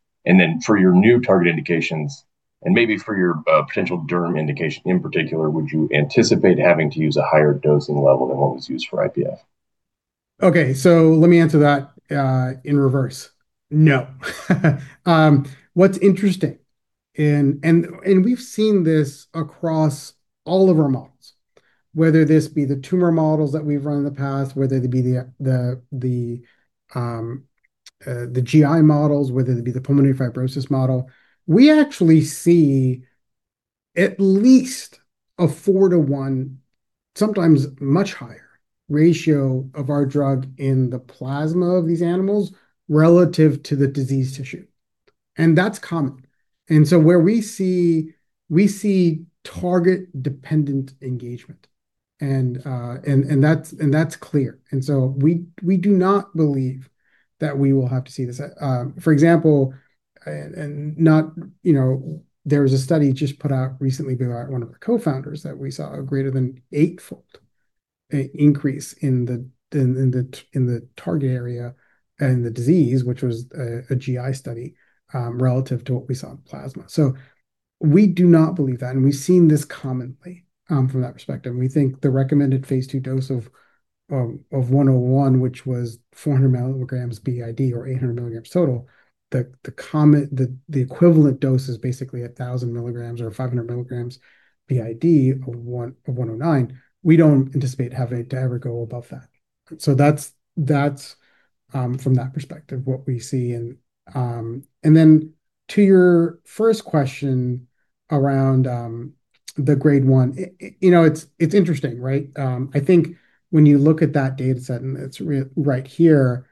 [SPEAKER 8] For your new target indications and maybe for your potential derm indication in particular, would you anticipate having to use a higher dosing level than what was used for IPF?
[SPEAKER 3] Okay, let me answer that in reverse. No. What's interesting, we've seen this across all of our models, whether this be the tumor models that we've run in the past, whether they be the GI models, whether it be the pulmonary fibrosis model. We actually see at least a four to one, sometimes much higher, ratio of our drug in the plasma of these animals relative to the disease tissue. That's common. We see target-dependent engagement, and that's clear. We do not believe that we will have to see this. For example, there was a study just put out recently by one of the co-founders that we saw a greater than eightfold increase in the target area and the disease, which was a GI study, relative to what we saw in plasma. We do not believe that, and we've seen this commonly from that perspective. We think the recommended phase II dose of 101, which was 400 mg BID, or 800 mg total, the equivalent dose is basically 1,000 mg or 500 mg BID of 109. We don't anticipate having to ever go above that. That's from that perspective, what we see. To your first question around the grade one. It's interesting, right? I think when you look at that data set, it's right here.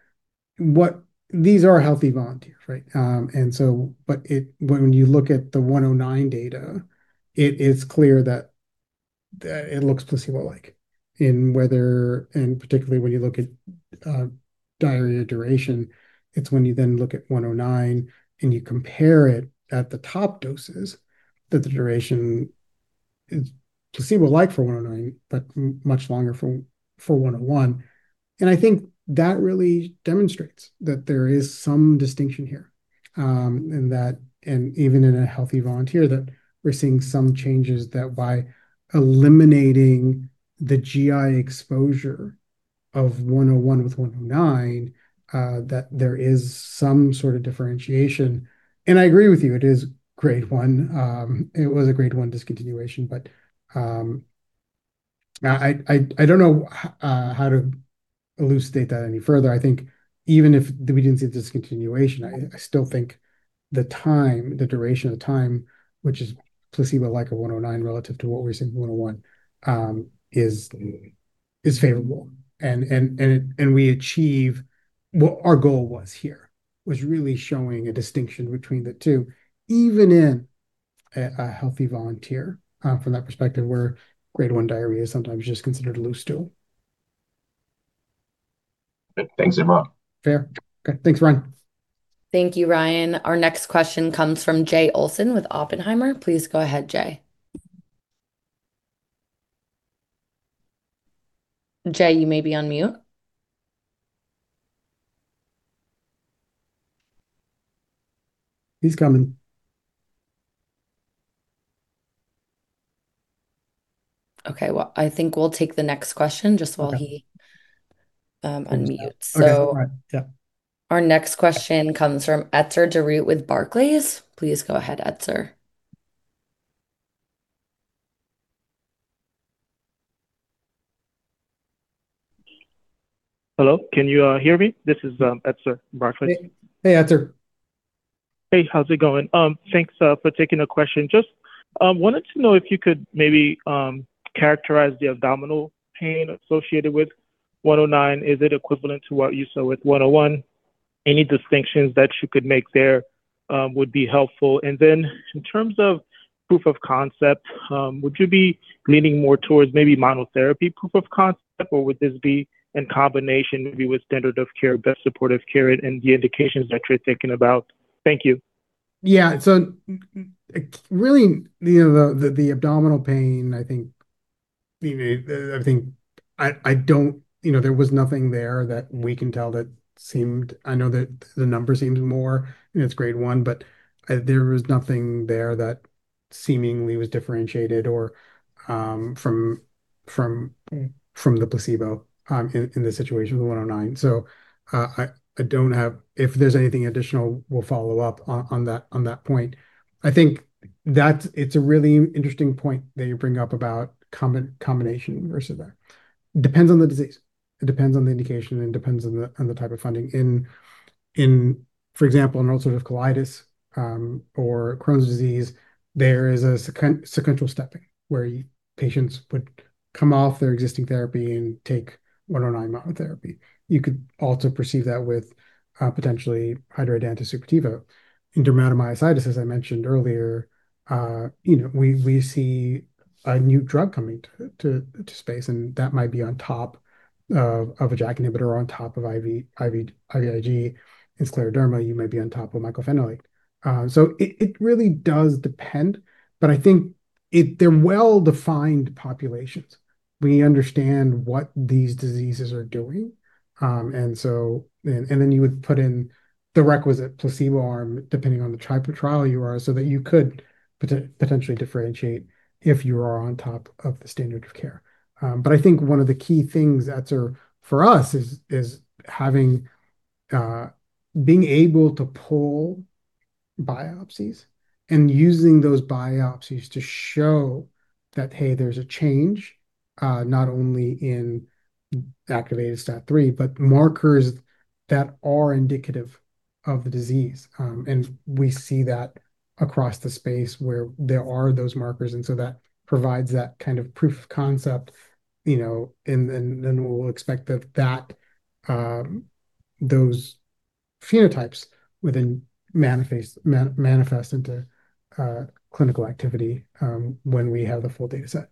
[SPEAKER 3] These are healthy volunteers, right? When you look at the 109 data, it is clear that it looks placebo-like. Particularly when you look at diarrhea duration, it's when you then look at 109 and you compare it at the top doses, that the duration is placebo-like for 109, but much longer for 101. I think that really demonstrates that there is some distinction here. Even in a healthy volunteer, that we're seeing some changes that by eliminating the GI exposure of 101 with 109, that there is some sort of differentiation. I agree with you, it is grade one. It was a grade one discontinuation. I don't know how to elucidate that any further. I think even if we didn't see the discontinuation, I still think the duration of the time, which is placebo-like of 109 relative to what we're seeing for 101, is favorable. We achieve what our goal was here, was really showing a distinction between the two, even in a healthy volunteer, from that perspective, where grade one diarrhea is sometimes just considered loose stool.
[SPEAKER 8] Thanks a lot.
[SPEAKER 3] Fair. Okay. Thanks, Ryan.
[SPEAKER 1] Thank you, Ryan. Our next question comes from Jay Olson with Oppenheimer. Please go ahead, Jay. Jay, you may be on mute.
[SPEAKER 3] He's coming.
[SPEAKER 1] Okay. Well, I think we'll take the next question just while he un-mutes.
[SPEAKER 3] Okay. Yeah.
[SPEAKER 1] Our next question comes from Etzer Darout with Barclays. Please go ahead, Etzer.
[SPEAKER 9] Hello, can you hear me? This is Etzer, Barclays.
[SPEAKER 3] Hey. Hey, Etzer.
[SPEAKER 9] Hey, how's it going? Thanks for taking the question. Just wanted to know if you could maybe characterize the abdominal pain associated with 109. Is it equivalent to what you saw with 101? Any distinctions that you could make there would be helpful. Then in terms of proof of concept, would you be leaning more towards maybe monotherapy proof of concept, or would this be in combination maybe with standard of care, best supportive care, and the indications that you're thinking about? Thank you.
[SPEAKER 3] Yeah. Really, the abdominal pain, there was nothing there that we can tell. I know that the number seemed more, it's grade one, but there was nothing there that seemingly was differentiated from the placebo in this situation with 109. If there's anything additional, we'll follow up on that point. I think it's a really interesting point that you bring up about combination versus. Depends on the disease. It depends on the indication, and it depends on the type of funding. For example, in ulcerative colitis, or Crohn's disease, there is a sequential stepping, where patients would come off their existing therapy and take 109 monotherapy. You could also perceive that with potentially hidradenitis suppurativa. In dermatomyositis, as I mentioned earlier, we see a new drug coming to space, and that might be on top of a JAK inhibitor, on top of IVIG. In scleroderma, you might be on top of mycophenolate. It really does depend, but I think they're well-defined populations. We understand what these diseases are doing. Then you would put in the requisite placebo arm, depending on the type of trial you are, so that you could potentially differentiate if you are on top of the standard of care. I think one of the key things, Etzer, for us is being able to pull biopsies and using those biopsies to show that, hey, there's a change, not only in activated STAT3, but markers that are indicative of the disease. We see that across the space where there are those markers, so that provides that kind of proof of concept. We'll expect that those phenotypes within manifest into clinical activity, when we have the full data set.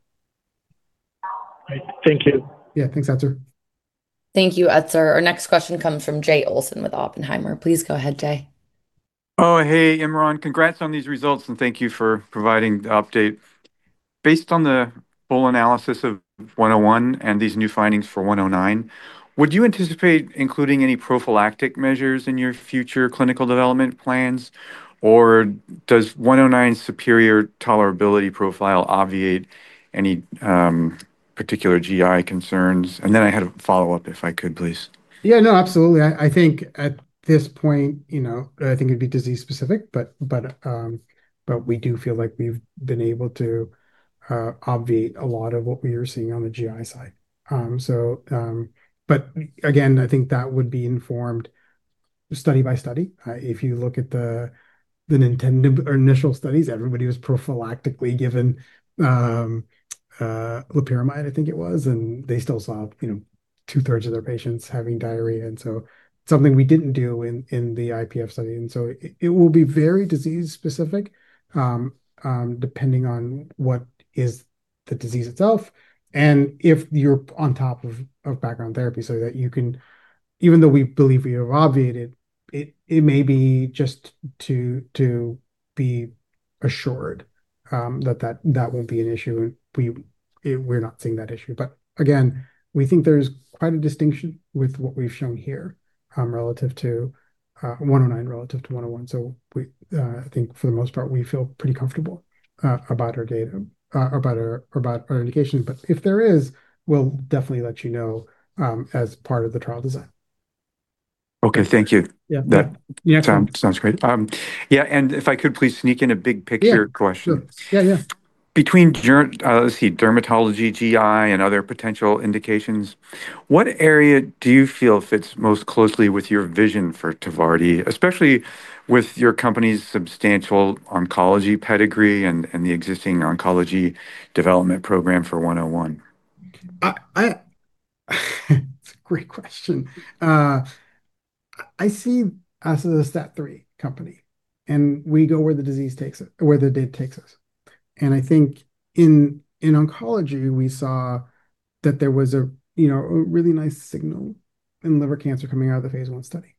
[SPEAKER 9] Great. Thank you.
[SPEAKER 3] Yeah. Thanks, Etzer.
[SPEAKER 1] Thank you, Etzer. Our next question comes from Jay Olson with Oppenheimer. Please go ahead, Jay.
[SPEAKER 10] Hey, Imran. Congrats on these results, and thank you for providing the update. Based on the full analysis of 101 and these new findings for 109, would you anticipate including any prophylactic measures in your future clinical development plans, or does 109's superior tolerability profile obviate any particular GI concerns? I had a follow-up if I could, please.
[SPEAKER 3] Absolutely. I think at this point, it'd be disease specific, but we do feel like we've been able to obviate a lot of what we are seeing on the GI side. Again, I think that would be informed study by study. If you look at the initial studies, everybody was prophylactically given loperamide, I think it was, and they still saw two-thirds of their patients having diarrhea. Something we didn't do in the IPF study. So it will be very disease specific, depending on what is the disease itself and if you're on top of background therapy, even though we believe we have obviated, it may be just to be assured, that won't be an issue, and we're not seeing that issue. Again, we think there's quite a distinction with what we've shown here, 109 relative to 101. I think for the most part, we feel pretty comfortable about our data, about our indications. If there is, we'll definitely let you know, as part of the trial design.
[SPEAKER 10] Okay. Thank you.
[SPEAKER 3] Yeah.
[SPEAKER 10] That sounds great. If I could please sneak in a big picture question.
[SPEAKER 3] Yeah. Sure. Yeah.
[SPEAKER 10] Between, let's see, dermatology, GI, and other potential indications, what area do you feel fits most closely with your vision for Tvardi, especially with your company's substantial oncology pedigree and the existing oncology development program for 101?
[SPEAKER 3] It's a great question. I see us as a STAT3 company, we go where the data takes us. I think in oncology, we saw that there was a really nice signal in liver cancer coming out of the phase I study.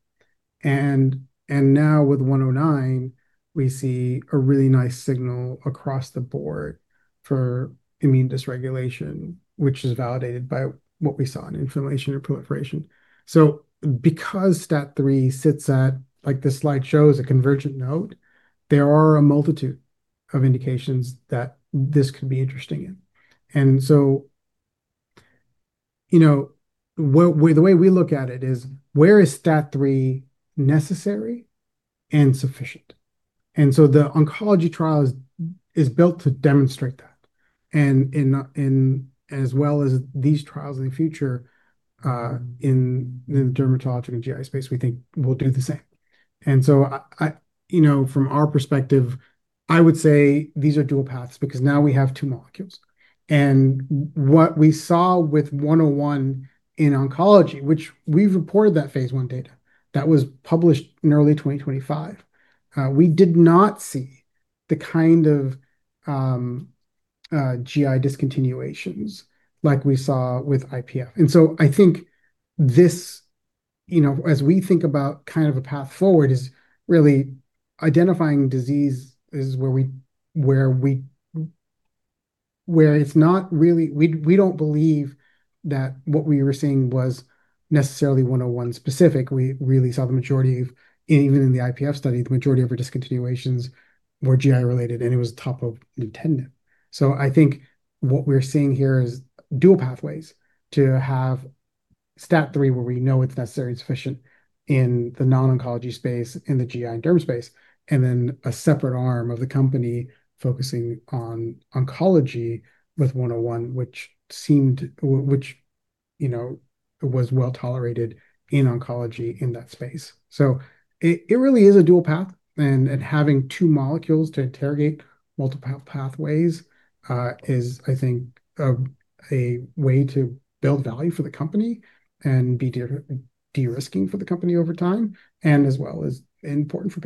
[SPEAKER 3] Now with 109, we see a really nice signal across the board for immune dysregulation, which is validated by what we saw in inflammation or proliferation. Because STAT3 sits at, like this slide shows, a convergent node, there are a multitude of indications that this could be interesting in. The way we look at it is, where is STAT3 necessary and sufficient? The oncology trial is built to demonstrate that. As well as these trials in the future, in the dermatologic and GI space, we think we'll do the same. From our perspective, I would say these are dual paths because now we have two molecules. What we saw with 101 in oncology, which we've reported that phase I data. That was published in early 2025. We did not see the GI discontinuations like we saw with IPF. I think as we think about a path forward is really identifying disease is where we don't believe that what we were seeing was necessarily 101 specific. We really saw, even in the IPF study, the majority of our discontinuations were GI related, and it was top of intended. I think what we're seeing here is dual pathways to have STAT3, where we know it's necessary and sufficient in the non-oncology space, in the GI and derm space, and then a separate arm of the company focusing on oncology with 101, which was well-tolerated in oncology in that space. It really is a dual path. Having two molecules to interrogate multiple pathways, is I think, a way to build value for the company and be de-risking for the company over time, and as well as important for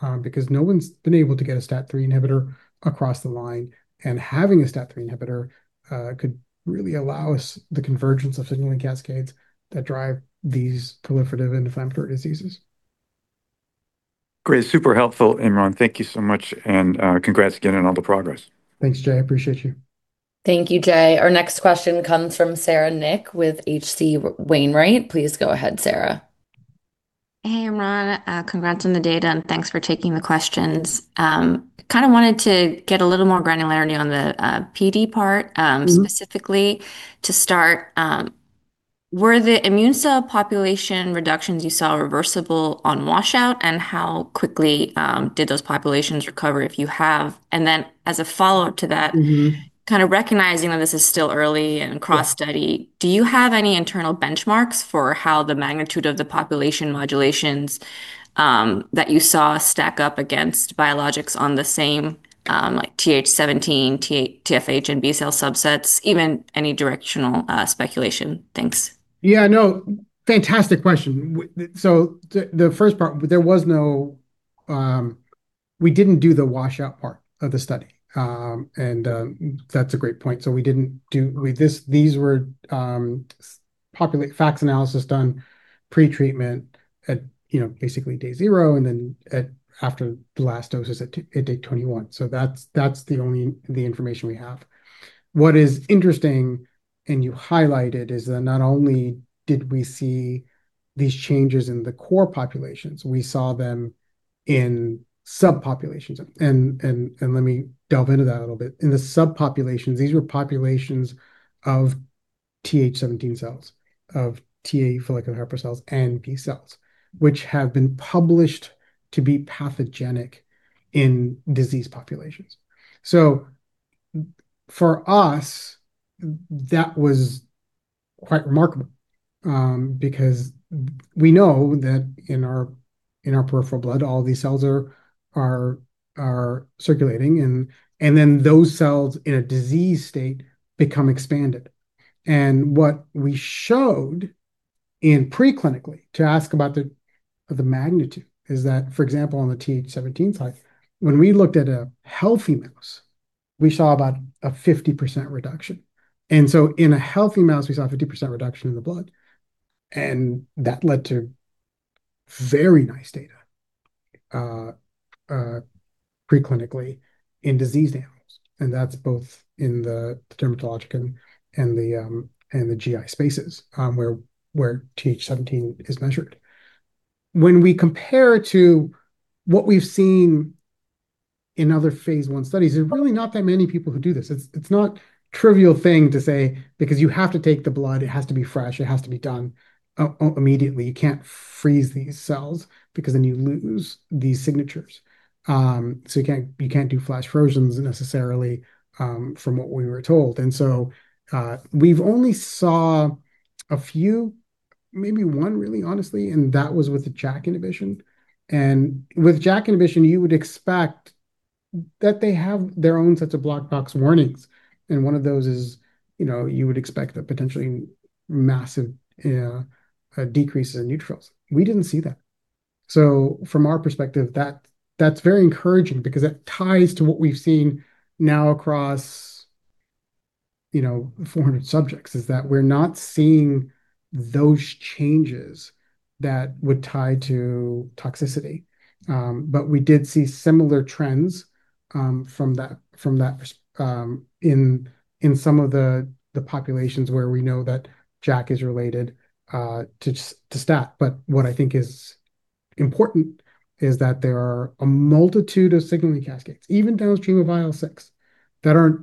[SPEAKER 3] patients. Because no one's been able to get a STAT3 inhibitor across the line. Having a STAT3 inhibitor could really allow us the convergence of signaling cascades that drive these proliferative and inflammatory diseases.
[SPEAKER 10] Great. Super helpful, Imran. Thank you so much, and congrats again on all the progress.
[SPEAKER 3] Thanks, Jay. I appreciate you.
[SPEAKER 1] Thank you, Jay. Our next question comes from Sara Nik with H.C. Wainwright. Please go ahead, Sara.
[SPEAKER 11] Hey, Imran. Congrats on the data. Thanks for taking the questions. Kind of wanted to get a little more granularity on the PD part and specifically to start. Were the immune cell population reductions you saw reversible on washout? How quickly did those populations recover, if you have? As a follow-up to that kind of recognizing that this is still early and cross-study, do you have any internal benchmarks for how the magnitude of the population modulations that you saw stack up against biologics on the same, like Th17, TFH, B-cell subsets, even any directional speculation? Thanks.
[SPEAKER 3] Yeah, no. Fantastic question. The first part, we didn't do the washout part of the study. That's a great point. These were FACS analysis done pretreatment at basically day zero, and then after the last doses at day 21. That's the information we have. What is interesting, you highlight it, is that not only did we see these changes in the core populations, we saw them in subpopulations. Let me delve into that a little bit. In the subpopulations, these were populations of Th17 cells, of T follicular helper cells, and B cells, which have been published to be pathogenic in disease populations. For us, that was quite remarkable, because we know that in our peripheral blood, all these cells are circulating, and then those cells in a disease state become expanded. What we showed in preclinically, to ask about the magnitude is that, for example, on the Th17 side, when we looked at a healthy mouse, we saw about a 50% reduction. In a healthy mouse, we saw a 50% reduction in the blood, and that led to very nice data preclinically in diseased animals. That's both in the dermatologic and the GI spaces, where Th17 is measured. When we compare to what we've seen in other phase I studies, there are really not that many people who do this. It's not trivial thing to say, because you have to take the blood, it has to be fresh, it has to be done immediately. You can't freeze these cells because then you lose these signatures. You can't do flash versions necessarily, from what we were told. We've only saw a few, maybe one really honestly, and that was with the JAK inhibition. With JAK inhibition, you would expect that they have their own sets of black box warnings, and one of those is you would expect a potentially massive decrease in neutrophils. We didn't see that. From our perspective, that's very encouraging because that ties to what we've seen now across 400 subjects, is that we're not seeing those changes that would tie to toxicity. We did see similar trends in some of the populations where we know that JAK is related to STAT. What I think is important is that there are a multitude of signaling cascades, even downstream of IL-6, that aren't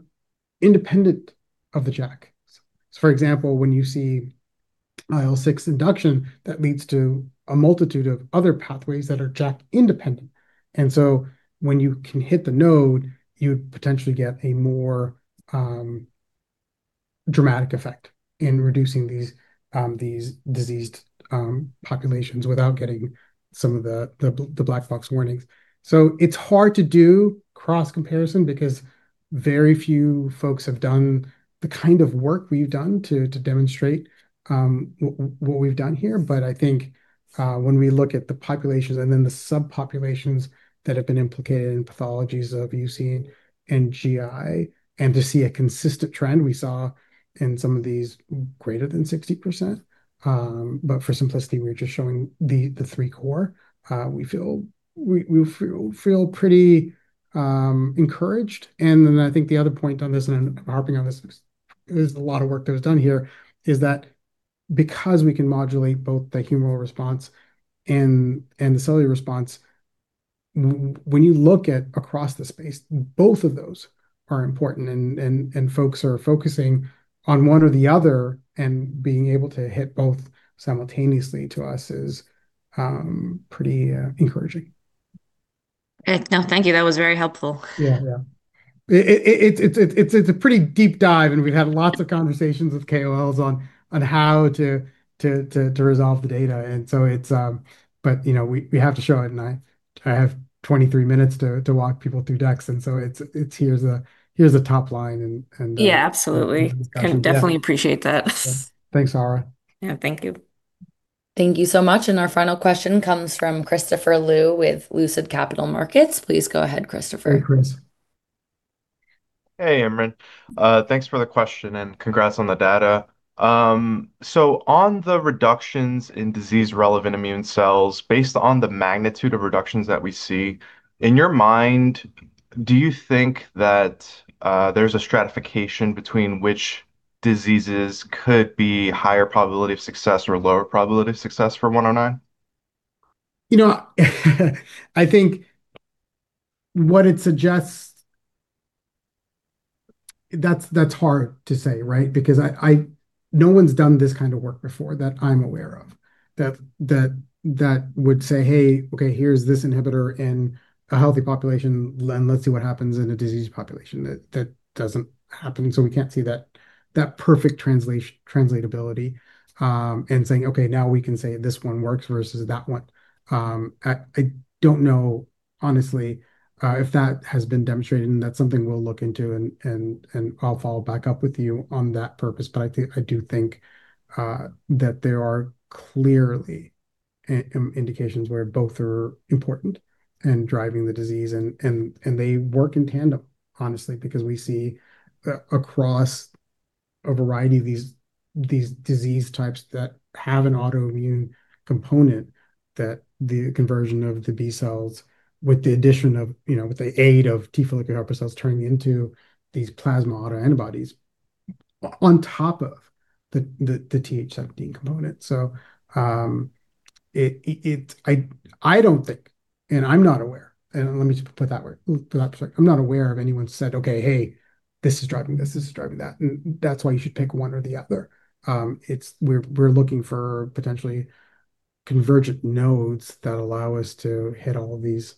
[SPEAKER 3] independent of the JAKs. For example, when you see IL-6 induction, that leads to a multitude of other pathways that are JAK independent. When you can hit the node, you would potentially get a more dramatic effect in reducing these diseased populations without getting some of the black box warnings. It's hard to do cross comparison because very few folks have done the kind of work we've done to demonstrate what we've done here. I think when we look at the populations and then the subpopulations that have been implicated in pathologies of UC and GI, and to see a consistent trend we saw in some of these greater than 60%. For simplicity, we are just showing the 3 core. We feel pretty encouraged. I think the other point on this, I'm harping on this, there's a lot of work that was done here, is that because we can modulate both the humoral response and the cellular response, when you look across the space, both of those are important, and folks are focusing on one or the other, and being able to hit both simultaneously to us is pretty encouraging.
[SPEAKER 11] No, thank you. That was very helpful.
[SPEAKER 3] It's a pretty deep dive, and we've had lots of conversations with KOLs on how to resolve the data. We have to show it, I have 23 minutes to walk people through decks, here's the top line.
[SPEAKER 11] Absolutely.
[SPEAKER 3] Discussion. Yeah.
[SPEAKER 11] Definitely appreciate that.
[SPEAKER 3] Thanks, Sara.
[SPEAKER 11] Yeah, thank you.
[SPEAKER 1] Thank you so much. Our final question comes from Christopher Liu with Lucid Capital Markets. Please go ahead, Christopher.
[SPEAKER 3] Hi, Chris.
[SPEAKER 12] Hey, Imran. Thanks for the question and congrats on the data. On the reductions in disease relevant immune cells, based on the magnitude of reductions that we see, in your mind, do you think that there's a stratification between which diseases could be higher probability of success or lower probability of success for 109?
[SPEAKER 3] I think what it suggests, that's hard to say, right? No one's done this kind of work before that I'm aware of. That would say, "Hey, okay, here's this inhibitor in a healthy population. Let's see what happens in a diseased population." That doesn't happen, so we can't see that perfect translatability, and saying, "Okay, now we can say this one works versus that one." I don't know honestly if that has been demonstrated, and that's something we'll look into, and I'll follow back up with you on that purpose. I do think that there are clearly indications where both are important and driving the disease, and they work in tandem, honestly, because we see across a variety of these disease types that have an autoimmune component that the conversion of the B cells with the aid of T follicular helper cells turning into these plasma autoantibodies on top of the Th17 component. I don't think, and I'm not aware, and let me just put it that way. I'm not aware of anyone who said, "Okay, hey, this is driving this is driving that, and that's why you should pick one or the other." We're looking for potentially convergent nodes that allow us to hit all of these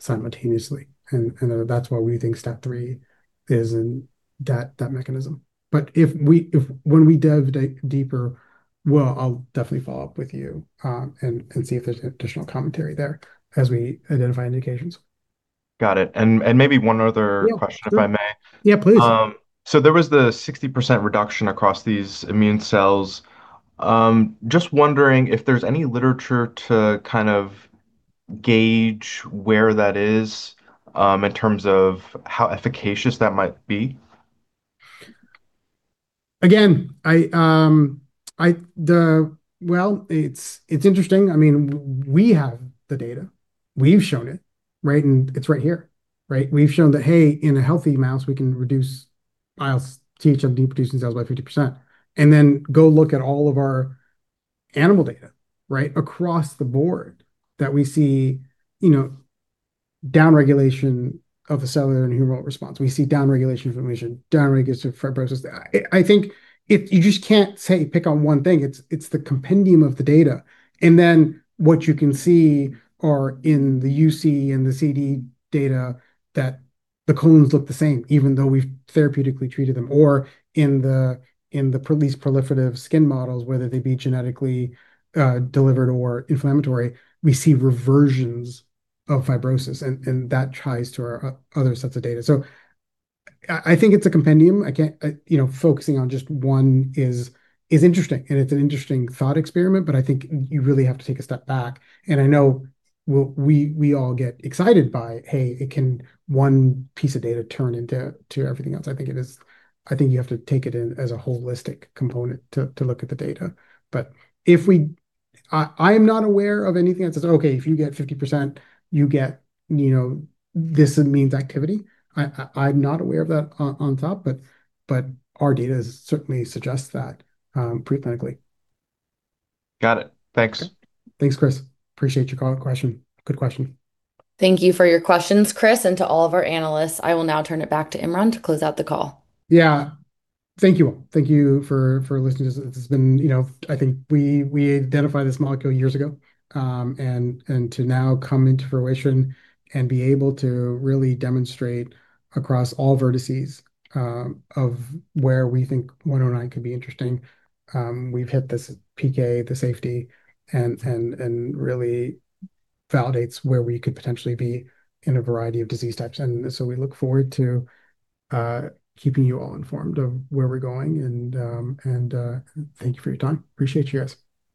[SPEAKER 3] simultaneously, and that's why we think STAT3 is in that mechanism. When we dive deeper, well, I'll definitely follow up with you, and see if there's additional commentary there as we identify indications.
[SPEAKER 12] Got it. Maybe one other question.
[SPEAKER 3] Yeah
[SPEAKER 12] If I may.
[SPEAKER 3] Yeah, please.
[SPEAKER 12] There was the 60% reduction across these immune cells. Just wondering if there's any literature to kind of gauge where that is, in terms of how efficacious that might be.
[SPEAKER 3] Again, well, it's interesting. We have the data. We've shown it, right, and it's right here. Right? We've shown that, hey, in a healthy mouse, we can reduce IL-17 producing cells by 50%. Go look at all of our animal data, right, across the board that we see downregulation of a cellular and humoral response. We see downregulation of inflammation, downregulation of fibrosis. I think you just can't, say, pick on one thing. It's the compendium of the data. What you can see are in the UC and the CD data, that the clones look the same, even though we've therapeutically treated them. Or in the least proliferative skin models, whether they be genetically delivered or inflammatory, we see reversions of fibrosis, and that ties to our other sets of data. I think it's a compendium. Focusing on just one is interesting, and it's an interesting thought experiment, I think you really have to take a step back, and I know we all get excited by, hey, can one piece of data turn into everything else? I think you have to take it in as a holistic component to look at the data. I am not aware of anything that says, "Okay, if you get 50%, you get this immune activity." I'm not aware of that on top, our data certainly suggests that preclinically.
[SPEAKER 12] Got it. Thanks.
[SPEAKER 3] Thanks, Chris. Appreciate your question. Good question.
[SPEAKER 1] Thank you for your questions, Chris, and to all of our analysts. I will now turn it back to Imran to close out the call.
[SPEAKER 3] Yeah. Thank you all. Thank you for listening. I think we identified this molecule years ago, and to now come into fruition and be able to really demonstrate across all vertices of where we think 109 can be interesting. We've hit this PK, the safety, and really validates where we could potentially be in a variety of disease types. We look forward to keeping you all informed of where we're going. Thank you for your time. Appreciate you guys.